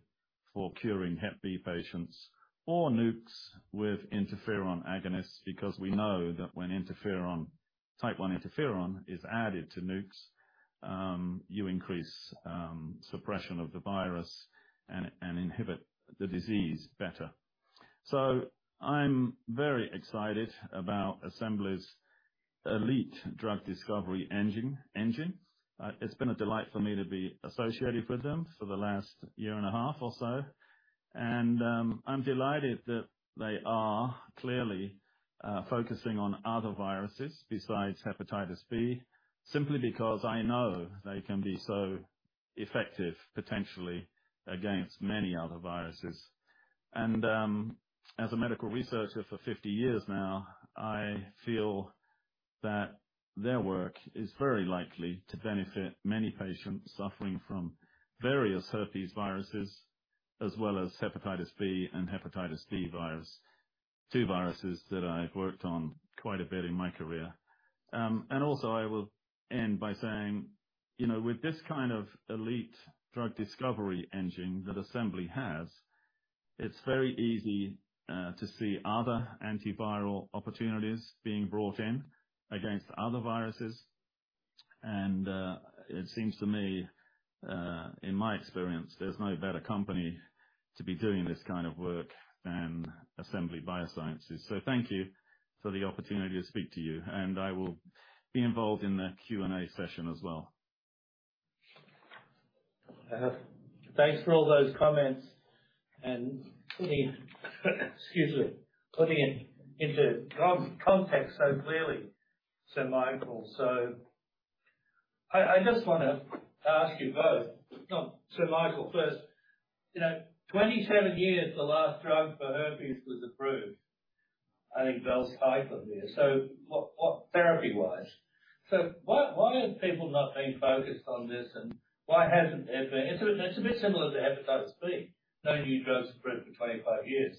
for curing hep B patients or nukes with interferon agonists. Because we know that when interferon, type one interferon is added to nukes, you increase suppression of the virus and inhibit the disease better. I'm very excited about Assembly's elite drug discovery engine. It's been a delight for me to be associated with them for the last year and a half or so. I'm delighted that they are clearly focusing on other viruses besides hepatitis B, simply because I know they can be so effective potentially against many other viruses. As a medical researcher for 50 years now, I feel that their work is very likely to benefit many patients suffering from various herpes viruses, as well as hepatitis B and hepatitis B virus. Two viruses that I've worked on quite a bit in my career. I will end by saying, you know, with this kind of elite drug discovery engine that Assembly has, it's very easy to see other antiviral opportunities being brought in against other viruses. It seems to me, in my experience, there's no better company to be doing this kind of work than Assembly Biosciences. Thank you for the opportunity to speak to you, and I will be involved in the Q&A session as well. Thanks for all those comments and putting it into context so clearly, Sir Michael. I just wanna ask you both, Sir Michael first, you know, 27 years, the last drug for herpes was approved, I think Valtrex up there. What therapy wise. Why have people not been focused on this? And why hasn't there been. It's a bit similar to hepatitis B, no new drugs approved for 25 years.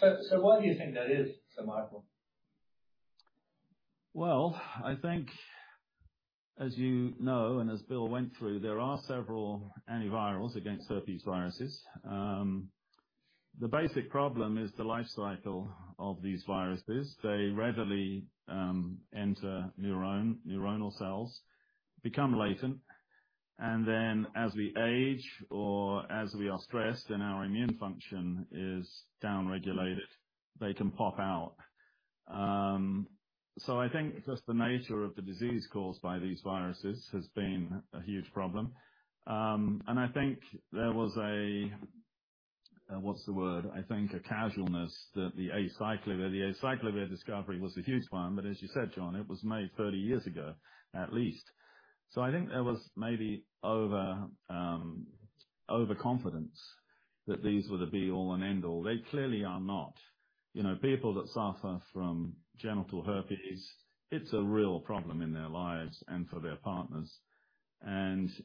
Why do you think that is, Sir Michael? Well, I think as you know, and as Bill went through, there are several antivirals against herpes viruses. The basic problem is the life cycle of these viruses. They readily enter neuronal cells, become latent, and then as we age or as we are stressed and our immune function is down-regulated, they can pop out. I think just the nature of the disease caused by these viruses has been a huge problem. I think there was a, what's the word? I think a casualness that the acyclovir discovery was a huge one. As you said, John, it was made 30 years ago at least. I think there was maybe overconfidence that these were the be all and end all. They clearly are not. You know, people that suffer from genital herpes, it's a real problem in their lives and for their partners.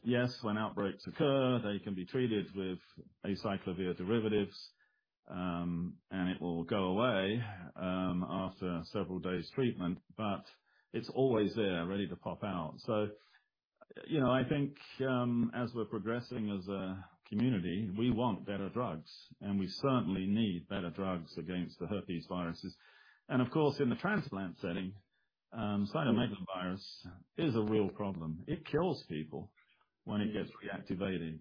Yes, when outbreaks occur, they can be treated with acyclovir derivatives, and it will go away, after several days treatment, but it's always there ready to pop out. You know, I think, as we're progressing as a community, we want better drugs, and we certainly need better drugs against the herpes viruses. Of course, in the transplant setting, cytomegalovirus is a real problem. It kills people when it gets reactivated.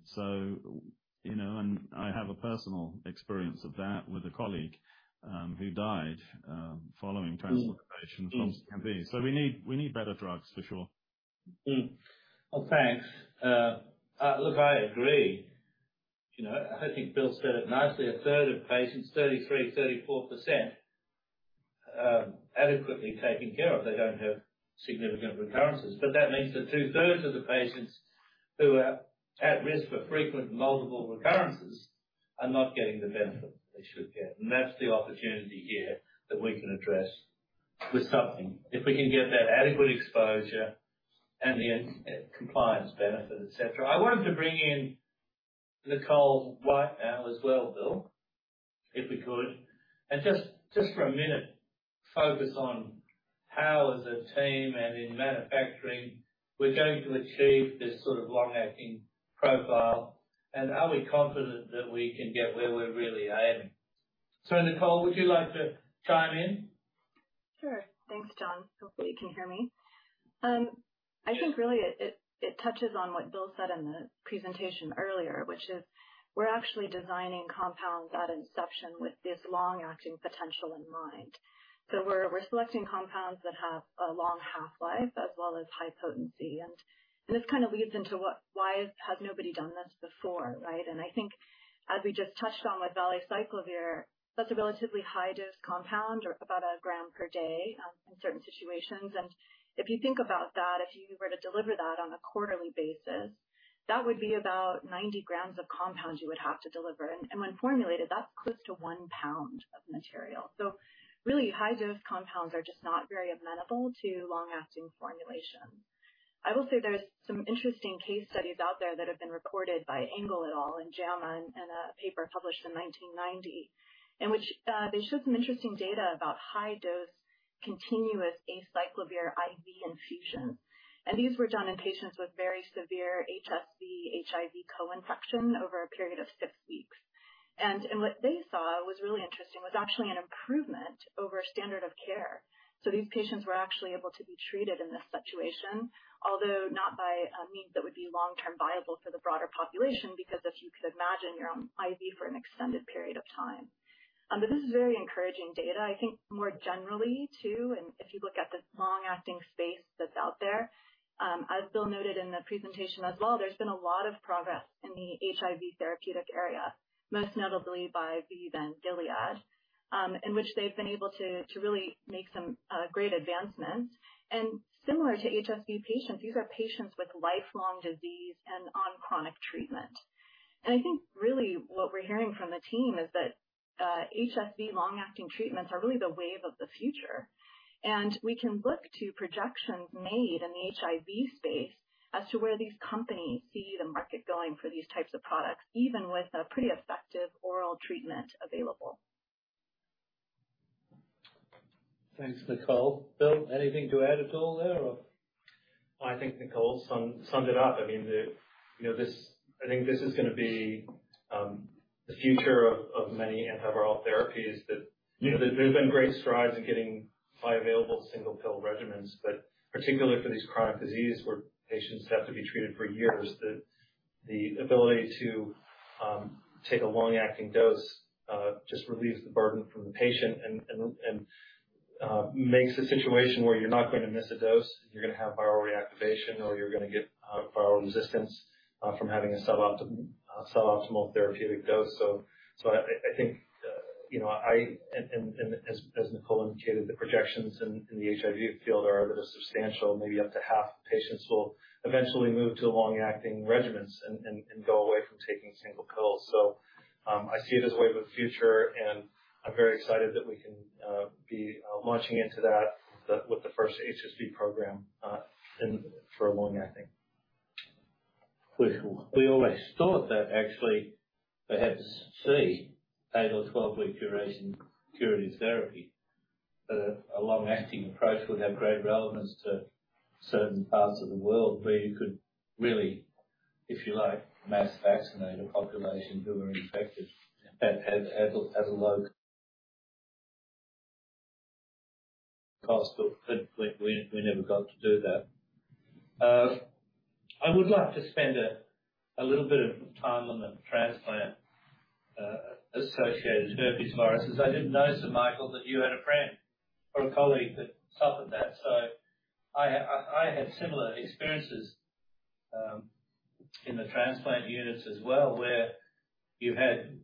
You know, and I have a personal experience of that with a colleague, who died, following transplantation from CMV. We need better drugs for sure. Well, thanks. Look, I agree. You know, I think Bill said it nicely, a third of patients, 33%-34%, adequately taken care of. They don't have significant recurrences. That means that two-thirds of the patients who are at risk for frequent multiple recurrences are not getting the benefit they should get. That's the opportunity here that we can address with something. If we can get that adequate exposure and the enhanced compliance benefit, et cetera. I wanted to bring in Nicole White now as well, Bill, if we could. Just for a minute, focus on how, as a team and in manufacturing, we're going to achieve this sort of long-acting profile. Are we confident that we can get where we're really aiming? Nicole, would you like to chime in? Sure. Thanks, John. Hopefully you can hear me. I think really it touches on what Bill said in the presentation earlier, which is we're actually designing compounds at inception with this long-acting potential in mind. We're selecting compounds that have a long half-life as well as high potency. This kind of leads into why has nobody done this before, right? I think as we just touched on with valacyclovir, that's a relatively high dose compound or about a gram per day in certain situations. If you think about that, if you were to deliver that on a quarterly basis, that would be about 90 grams of compounds you would have to deliver. When formulated, that's close to one pound of material. Really high dose compounds are just not very amenable to long-acting formulation. I will say there's some interesting case studies out there that have been reported by Engel et al. in JAMA in a paper published in 1990, in which they showed some interesting data about high dose continuous acyclovir IV infusion. These were done in patients with very severe HSV HIV co-infection over a period of six weeks. What they saw was really interesting, was actually an improvement over standard of care. These patients were actually able to be treated in this situation, although not by a means that would be long-term viable for the broader population, because as you could imagine, you're on IV for an extended period of time. This is very encouraging data, I think more generally too. If you look at the long-acting space that's out there, as Bill noted in the presentation as well, there's been a lot of progress in the HIV therapeutic area, most notably by ViiV and Gilead, in which they've been able to to really make some great advancements. Similar to HSV patients, these are patients with lifelong disease and on chronic treatment. I think really what we're hearing from the team is that, HSV long-acting treatments are really the wave of the future. We can look to projections made in the HIV space as to where these companies see the market going for these types of products, even with a pretty effective oral treatment available. Thanks, Nicole. Bill, anything to add at all there or? Well, I think Nicole summed it up. I mean, you know, I think this is gonna be the future of many antiviral therapies that, you know, there's been great strides in getting bioavailable single pill regimens. But particularly for these chronic disease where patients have to be treated for years, the ability to take a long-acting dose just relieves the burden from the patient and makes a situation where you're not gonna miss a dose, you're gonna have viral reactivation, or you're gonna get viral resistance from having a suboptimal therapeutic dose. So I think, you know, I... As Nicole indicated, the projections in the HIV field are that a substantial, maybe up to half the patients will eventually move to long-acting regimens and go away from taking single pills. I see it as a wave of the future, and I'm very excited that we can be launching into that with the first HSV program for long-acting. We always thought that actually perhaps eight or 12-week duration curative therapy, that a long-acting approach would have great relevance to certain parts of the world where you could really, if you like, mass vaccinate a population who are infected at a low cost. We never got to do that. I would like to spend a little bit of time on the transplant-associated herpes viruses. I didn't know, Sir Michael, that you had a friend or a colleague that suffered that, so I had similar experiences in the transplant units as well, where you had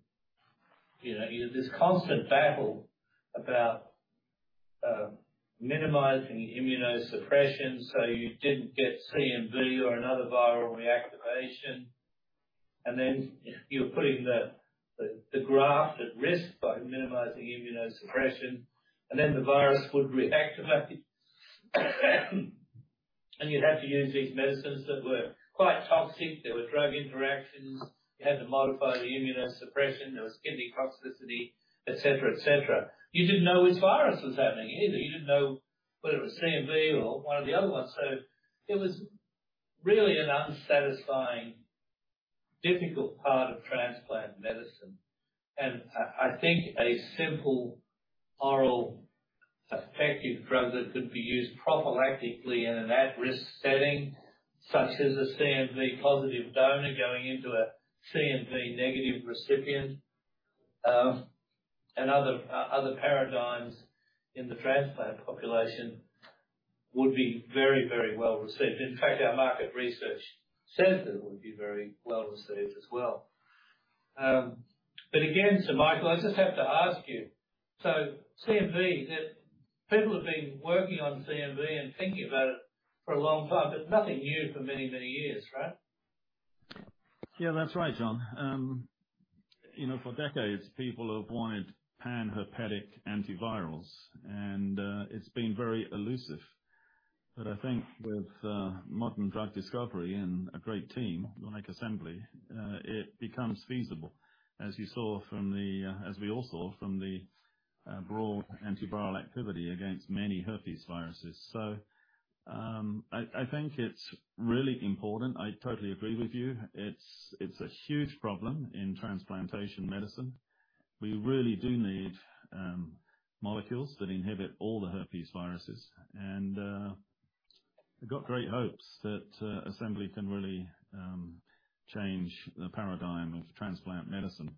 this constant battle about minimizing immunosuppression, so you didn't get CMV or another viral reactivation. You're putting the graft at risk by minimizing immunosuppression, and then the virus would reactivate, and you'd have to use these medicines that were quite toxic. There were drug interactions. You had to modify the immunosuppression. There was kidney toxicity, et cetera, et cetera. You didn't know which virus was happening either. You didn't know whether it was CMV or one of the other ones. It was really an unsatisfying, difficult part of transplant medicine. I think a simple oral effective drug that could be used prophylactically in an at-risk setting, such as a CMV positive donor going into a CMV negative recipient, and other paradigms in the transplant population would be very, very well received. In fact, our market research says that it would be very well received as well. But again, Sir Michael, I just have to ask you. CMV. People have been working on CMV and thinking about it for a long time, but nothing new for many, many years, right? Yeah, that's right, John. You know, for decades, people have wanted pan-herpes antivirals and, it's been very elusive. I think with modern drug discovery and a great team like Assembly, it becomes feasible as we all saw from the broad antiviral activity against many herpes viruses. I think it's really important. I totally agree with you. It's a huge problem in transplantation medicine. We really do need molecules that inhibit all the herpes viruses. We've got great hopes that Assembly can really change the paradigm of transplant medicine.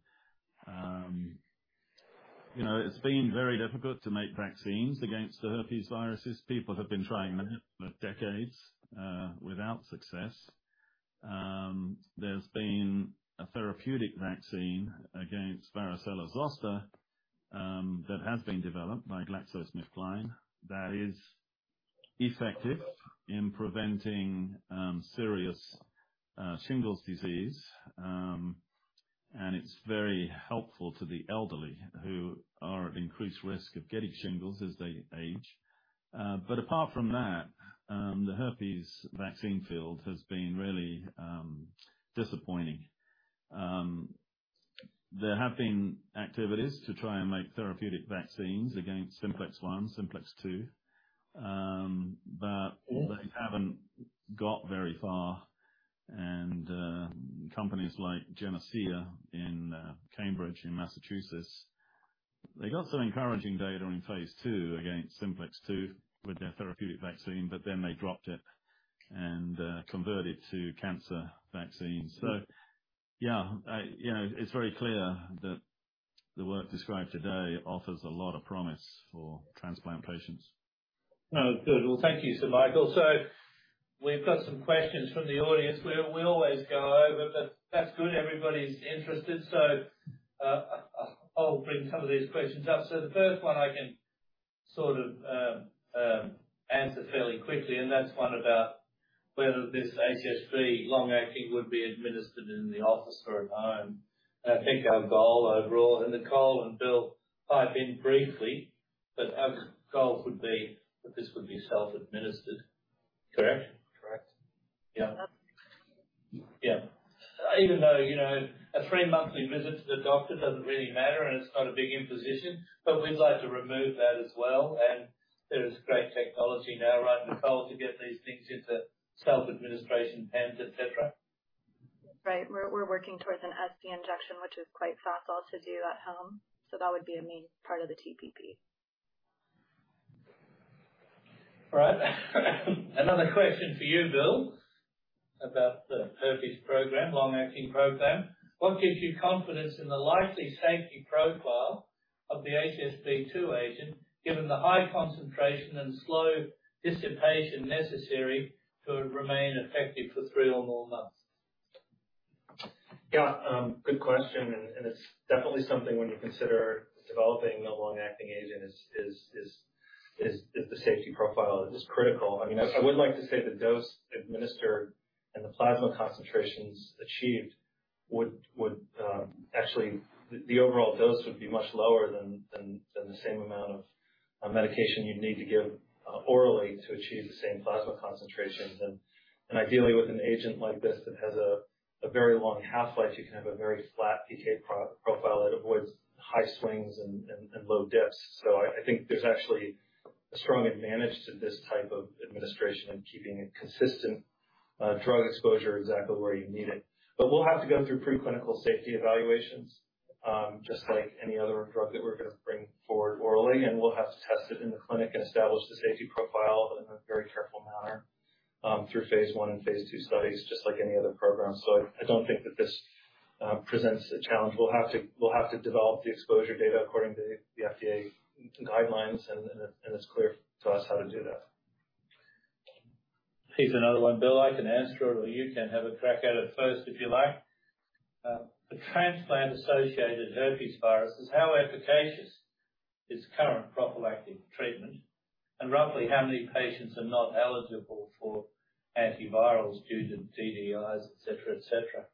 You know, it's been very difficult to make vaccines against the herpes viruses. People have been trying that for decades without success. There's been a therapeutic vaccine against varicella zoster that has been developed by GSK that is effective in preventing serious shingles disease. It's very helpful to the elderly who are at increased risk of getting shingles as they age. Apart from that, the herpes vaccine field has been really disappointing. There have been activities to try and make therapeutic vaccines against simplex one, simplex two. All those haven't got very far. Companies like Genocea in Cambridge, Massachusetts, they got some encouraging data in phase 2 against simplex two with their therapeutic vaccine, but then they dropped it and converted to cancer vaccines. Yeah, you know, it's very clear that the work described today offers a lot of promise for transplant patients. Oh, good. Well, thank you, Sir Michael. We've got some questions from the audience. We always go over, but that's good. Everybody's interested. I'll bring some of these questions up. The first one I can sort of answer fairly quickly, and that's one about whether this HSV long-acting would be administered in the office or at home. I think our goal overall, and Nicole and Bill pipe in briefly, but our goal would be that this would be self-administered. Correct? Correct. Yeah. Yeah. Even though, you know, a three-monthly visit to the doctor doesn't really matter, and it's not a big imposition, but we'd like to remove that as well. There is great technology now, right, Nicole, to get these things into self-administration pens, et cetera. Right. We're working towards an SC injection, which is quite facile to do at home. That would be a main part of the TPP. All right. Another question for you, Bill, about the herpes program, long-acting program. What gives you confidence in the likely safety profile of the HSV-2 agent, given the high concentration and slow dissipation necessary to remain effective for three or more months? Yeah, good question. It's definitely something when you consider developing a long-acting agent. The safety profile is critical. I mean, I would like to say the dose administered and the plasma concentrations achieved would. Actually, the overall dose would be much lower than the same amount of medication you'd need to give orally to achieve the same plasma concentrations. Ideally with an agent like this that has a very long half-life, you can have a very flat PK profile that avoids high swings and low dips. I think there's actually a strong advantage to this type of administration and keeping a consistent drug exposure exactly where you need it. We'll have to go through pre-clinical safety evaluations, just like any other drug that we're gonna bring forward orally, and we'll have to test it in the clinic and establish the safety profile in a very careful manner, through phase 1 and phase 2 studies, just like any other program. I don't think that this presents a challenge. We'll have to develop the exposure data according to the FDA guidelines, and it's clear to us how to do that. Here's another one, Bill. I can answer it, or you can have a crack at it first if you like. The transplant-associated herpes viruses, how efficacious is current prophylactic treatment, and roughly how many patients are not eligible for antivirals due to DDIs, et cetera, et cetera?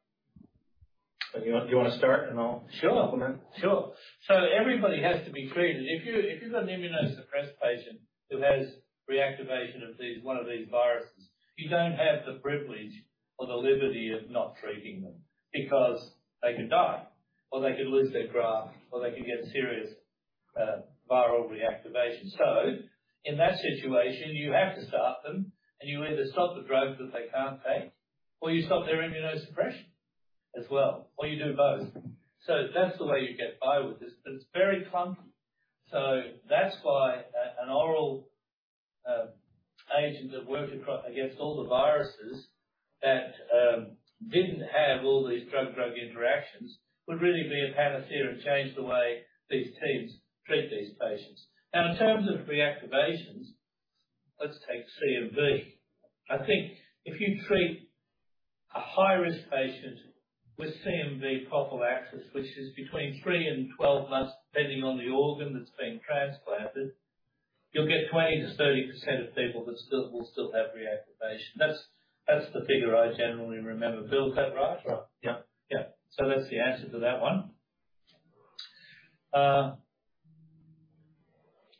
Do you wanna start? Sure. Implement. Sure. Everybody has to be treated. If you've got an immunosuppressed patient who has reactivation of these, one of these viruses, you don't have the privilege or the liberty of not treating them because they could die, or they could lose their graft, or they could get serious viral reactivation. In that situation, you have to start them, and you either stop the drugs that they can't take, or you stop their immunosuppression as well, or you do both. That's the way you get by with this, but it's very clunky. That's why oral agents that work against all the viruses that didn't have all these drug-drug interactions would really be a panacea and change the way these teams treat these patients. Now, in terms of reactivations, let's take CMV. I think if you treat a high-risk patient with CMV prophylaxis, which is between three and 12 months, depending on the organ that's being transplanted, you'll get 20%-30% of people that still will have reactivation. That's the figure I generally remember. Bill, is that right? Right. Yeah. Yeah. That's the answer to that one.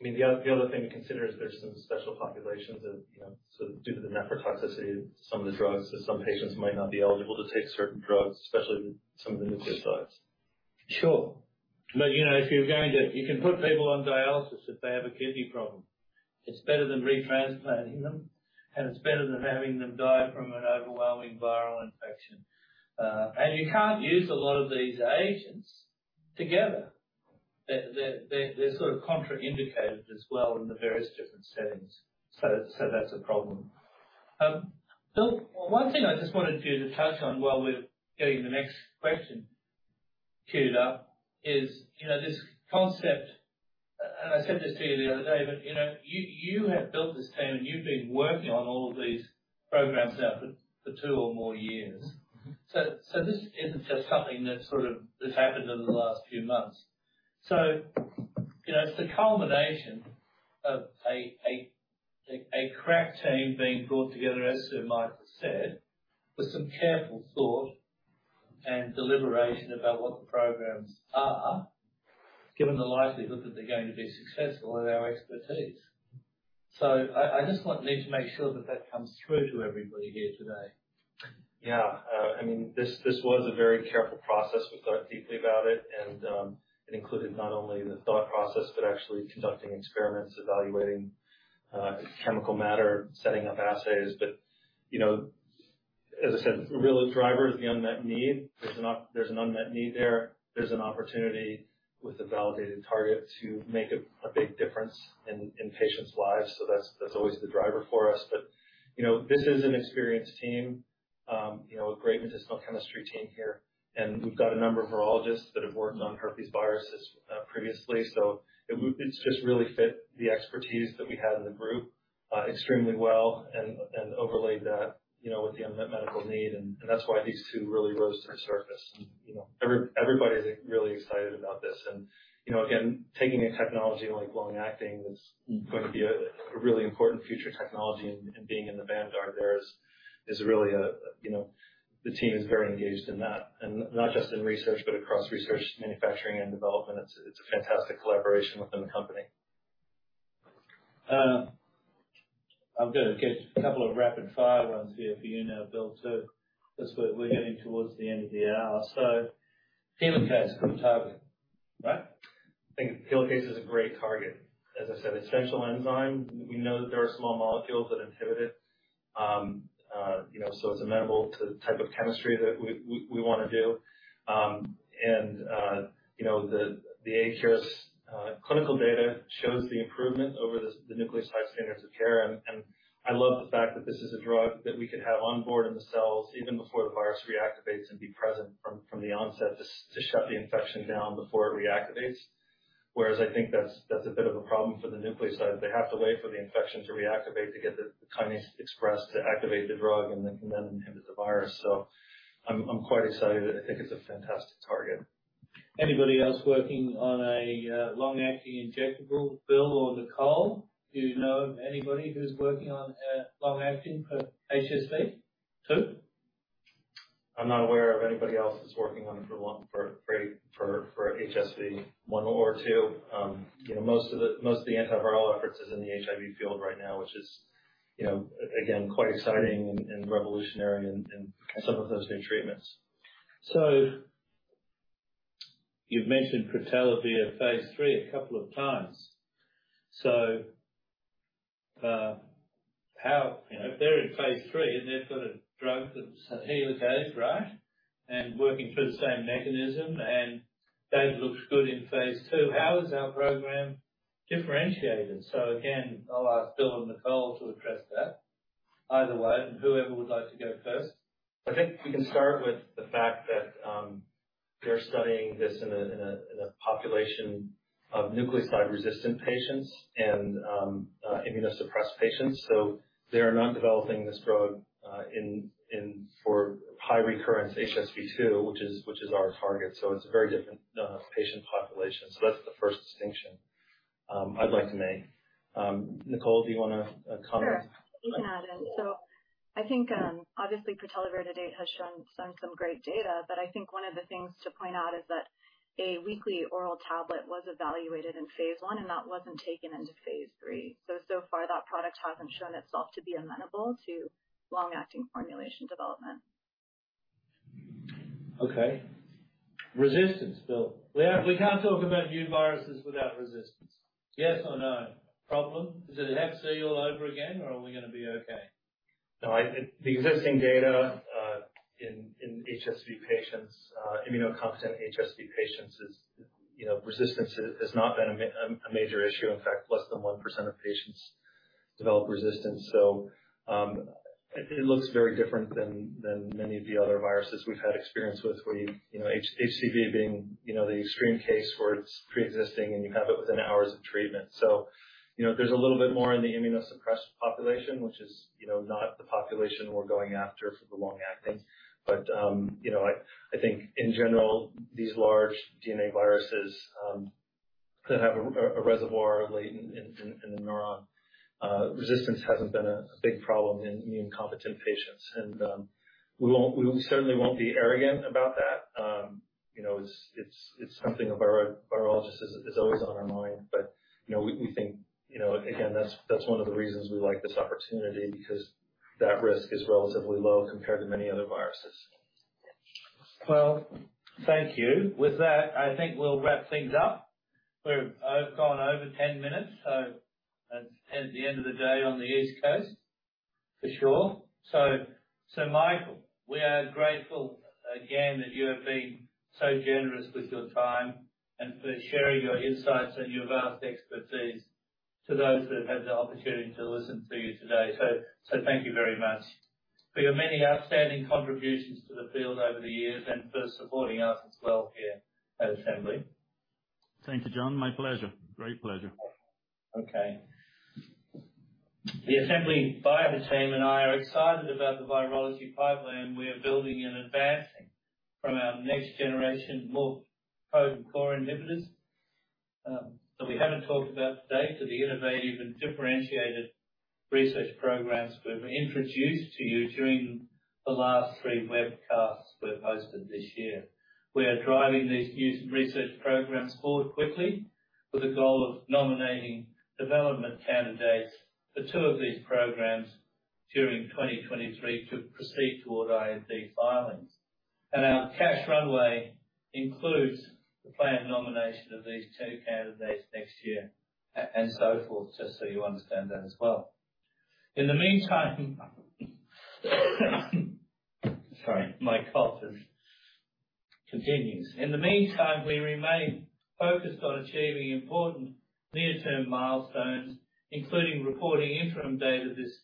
I mean, the other thing to consider is there's some special populations that, you know, so due to the nephrotoxicity of some of the drugs, that some patients might not be eligible to take certain drugs, especially some of the nucleosides. Sure. You can put people on dialysis if they have a kidney problem. It's better than retransplanting them, and it's better than having them die from an overwhelming viral infection. You can't use a lot of these agents together. They're sort of contraindicated as well in the various different settings. That's a problem. Bill, one thing I just wanted you to touch on while we're getting the next question queued up is, you know, this concept, I said this to you the other day, but, you know, you have built this team, and you've been working on all of these programs now for two or more years. Mm-hmm. Mm-hmm. This isn't just something that sort of just happened over the last few months. You know, it's the culmination of a crack team being brought together, as Sir Michael said, with some careful thought and deliberation about what the programs are, given the likelihood that they're going to be successful and our expertise. I just need to make sure that that comes through to everybody here today. Yeah. I mean, this was a very careful process. We thought deeply about it, and it included not only the thought process, but actually conducting experiments, evaluating chemical matter, setting up assays. You know, as I said, really the driver is the unmet need. There's an unmet need there. There's an opportunity with a validated target to make a big difference in patients' lives. That's always the driver for us. You know, this is an experienced team, a great medicinal chemistry team here, and we've got a number of virologists that have worked on herpes viruses previously. It just really fit the expertise that we had in the group extremely well and overlaid that, you know, with the unmet medical need, and that's why these two really rose to the surface. You know, everybody is like really excited about this. You know, again, taking a technology like long-acting is going to be a really important future technology, and being in the vanguard there is really a, you know. The team is very engaged in that, and not just in research, but across research, manufacturing and development. It's a fantastic collaboration within the company. I'm gonna get a couple of rapid fire rounds here for you now, Bill. Just, we're getting towards the end of the hour. Helicase, good target, right? I think helicase is a great target. As I said, essential enzyme. We know that there are small molecules that inhibit it. You know, so it's amenable to the type of chemistry that we wanna do. You know, the AiCuris clinical data shows the improvement over the nucleoside standards of care. I love the fact that this is a drug that we could have on board in the cells even before the virus reactivates and be present from the onset to shut the infection down before it reactivates. Whereas I think that's a bit of a problem for the nucleoside. They have to wait for the infection to reactivate to get the kinase expressed to activate the drug and then inhibit the virus. I'm quite excited. I think it's a fantastic target. Anybody else working on a long-acting injectable, Bill or Nicole? Do you know of anybody who's working on a long-acting HSV-2? I'm not aware of anybody else that's working on it for long for HSV-1 or HSV-2. You know, most of the antiviral efforts is in the HIV field right now, which is, you know, again, quite exciting and revolutionary and some of those new treatments. You've mentioned pritelivir phase 3 a couple of times. You know, if they're in phase 3, and they've got a drug that's a helicase, right? Working through the same mechanism, and that looks good in phase 2, how is our program differentiated? Again, I'll ask Bill and Nicole to address that either way. Whoever would like to go first. I think we can start with the fact that they're studying this in a population of nucleoside-resistant patients and immunosuppressed patients. They are not developing this drug for high recurrence HSV-2, which is our target. It's a very different patient population. That's the first distinction I'd like to make. Nicole, do you wanna comment? Sure. I can add in. I think, obviously pritelivir to date has shown some great data, but I think one of the things to point out is that a weekly oral tablet was evaluated in phase 1, and that wasn't taken into phase 3. So far that product hasn't shown itself to be amenable to long-acting formulation development. Okay. Resistance, Bill. We can't talk about new viruses without resistance. Yes or no? Problem? Is it HCV all over again, or are we gonna be okay? No, the existing data in HSV patients, immunocompetent HSV patients is, you know, resistance has not been a major issue. In fact, less than 1% of patients develop resistance. It looks very different than many of the other viruses we've had experience with where, you know, HCV being the extreme case where it's preexisting and you have it within hours of treatment. You know, there's a little bit more in the immunosuppressed population, which is, you know, not the population we're going after for the long-acting. You know, I think in general, these large DNA viruses that have a reservoir latent in the neuron, resistance hasn't been a big problem in immunocompetent patients. We won't, we certainly won't be arrogant about that. You know, it's something our virologists is always on our mind. You know, we think, again, that's one of the reasons we like this opportunity, because that risk is relatively low compared to many other viruses. Well, thank you. With that, I think we'll wrap things up. We've gone over 10 minutes, so it's the end of the day on the East Coast for sure. Michael, we are grateful again that you have been so generous with your time and for sharing your insights and your vast expertise to those that have had the opportunity to listen to you today. Thank you very much for your many outstanding contributions to the field over the years and for supporting us as well here at Assembly. Thank you, John. My pleasure. Great pleasure. Okay. The Assembly Bio team and I are excited about the virology pipeline we are building and advancing from our next generation more potent core inhibitors, that we haven't talked about today, to the innovative and differentiated research programs we've introduced to you during the last three webcasts we've hosted this year. We are driving these new research programs forward quickly with a goal of nominating development candidates for two of these programs during 2023 to proceed toward IND filings. Our cash runway includes the planned nomination of these two candidates next year and so forth, just so you understand that as well. In the meantime, sorry, my cough continues. We remain focused on achieving important near-term milestones, including reporting interim data this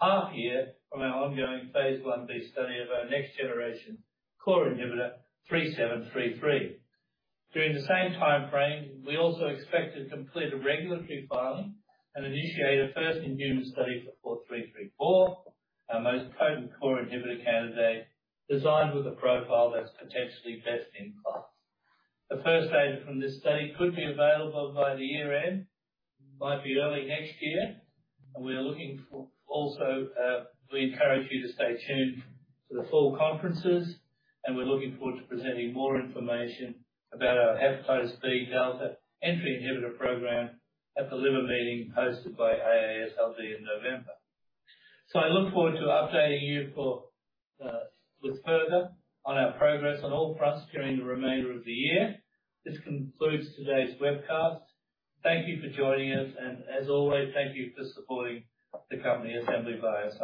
half year from our ongoing phase 1b study of our next generation core inhibitor 3733. During the same timeframe, we also expect to complete a regulatory filing and initiate a first in human study for 4334, our most potent core inhibitor candidate designed with a profile that's potentially best in class. The first data from this study could be available by the year end, might be early next year, and we are looking for also, we encourage you to stay tuned to the fall conferences, and we're looking forward to presenting more information about our hepatitis B delta entry inhibitor program at the liver meeting hosted by AASLD in November. I look forward to updating you with further on our progress on all fronts during the remainder of the year. This concludes today's webcast. Thank you for joining us, and as always, thank you for supporting the company Assembly Bio.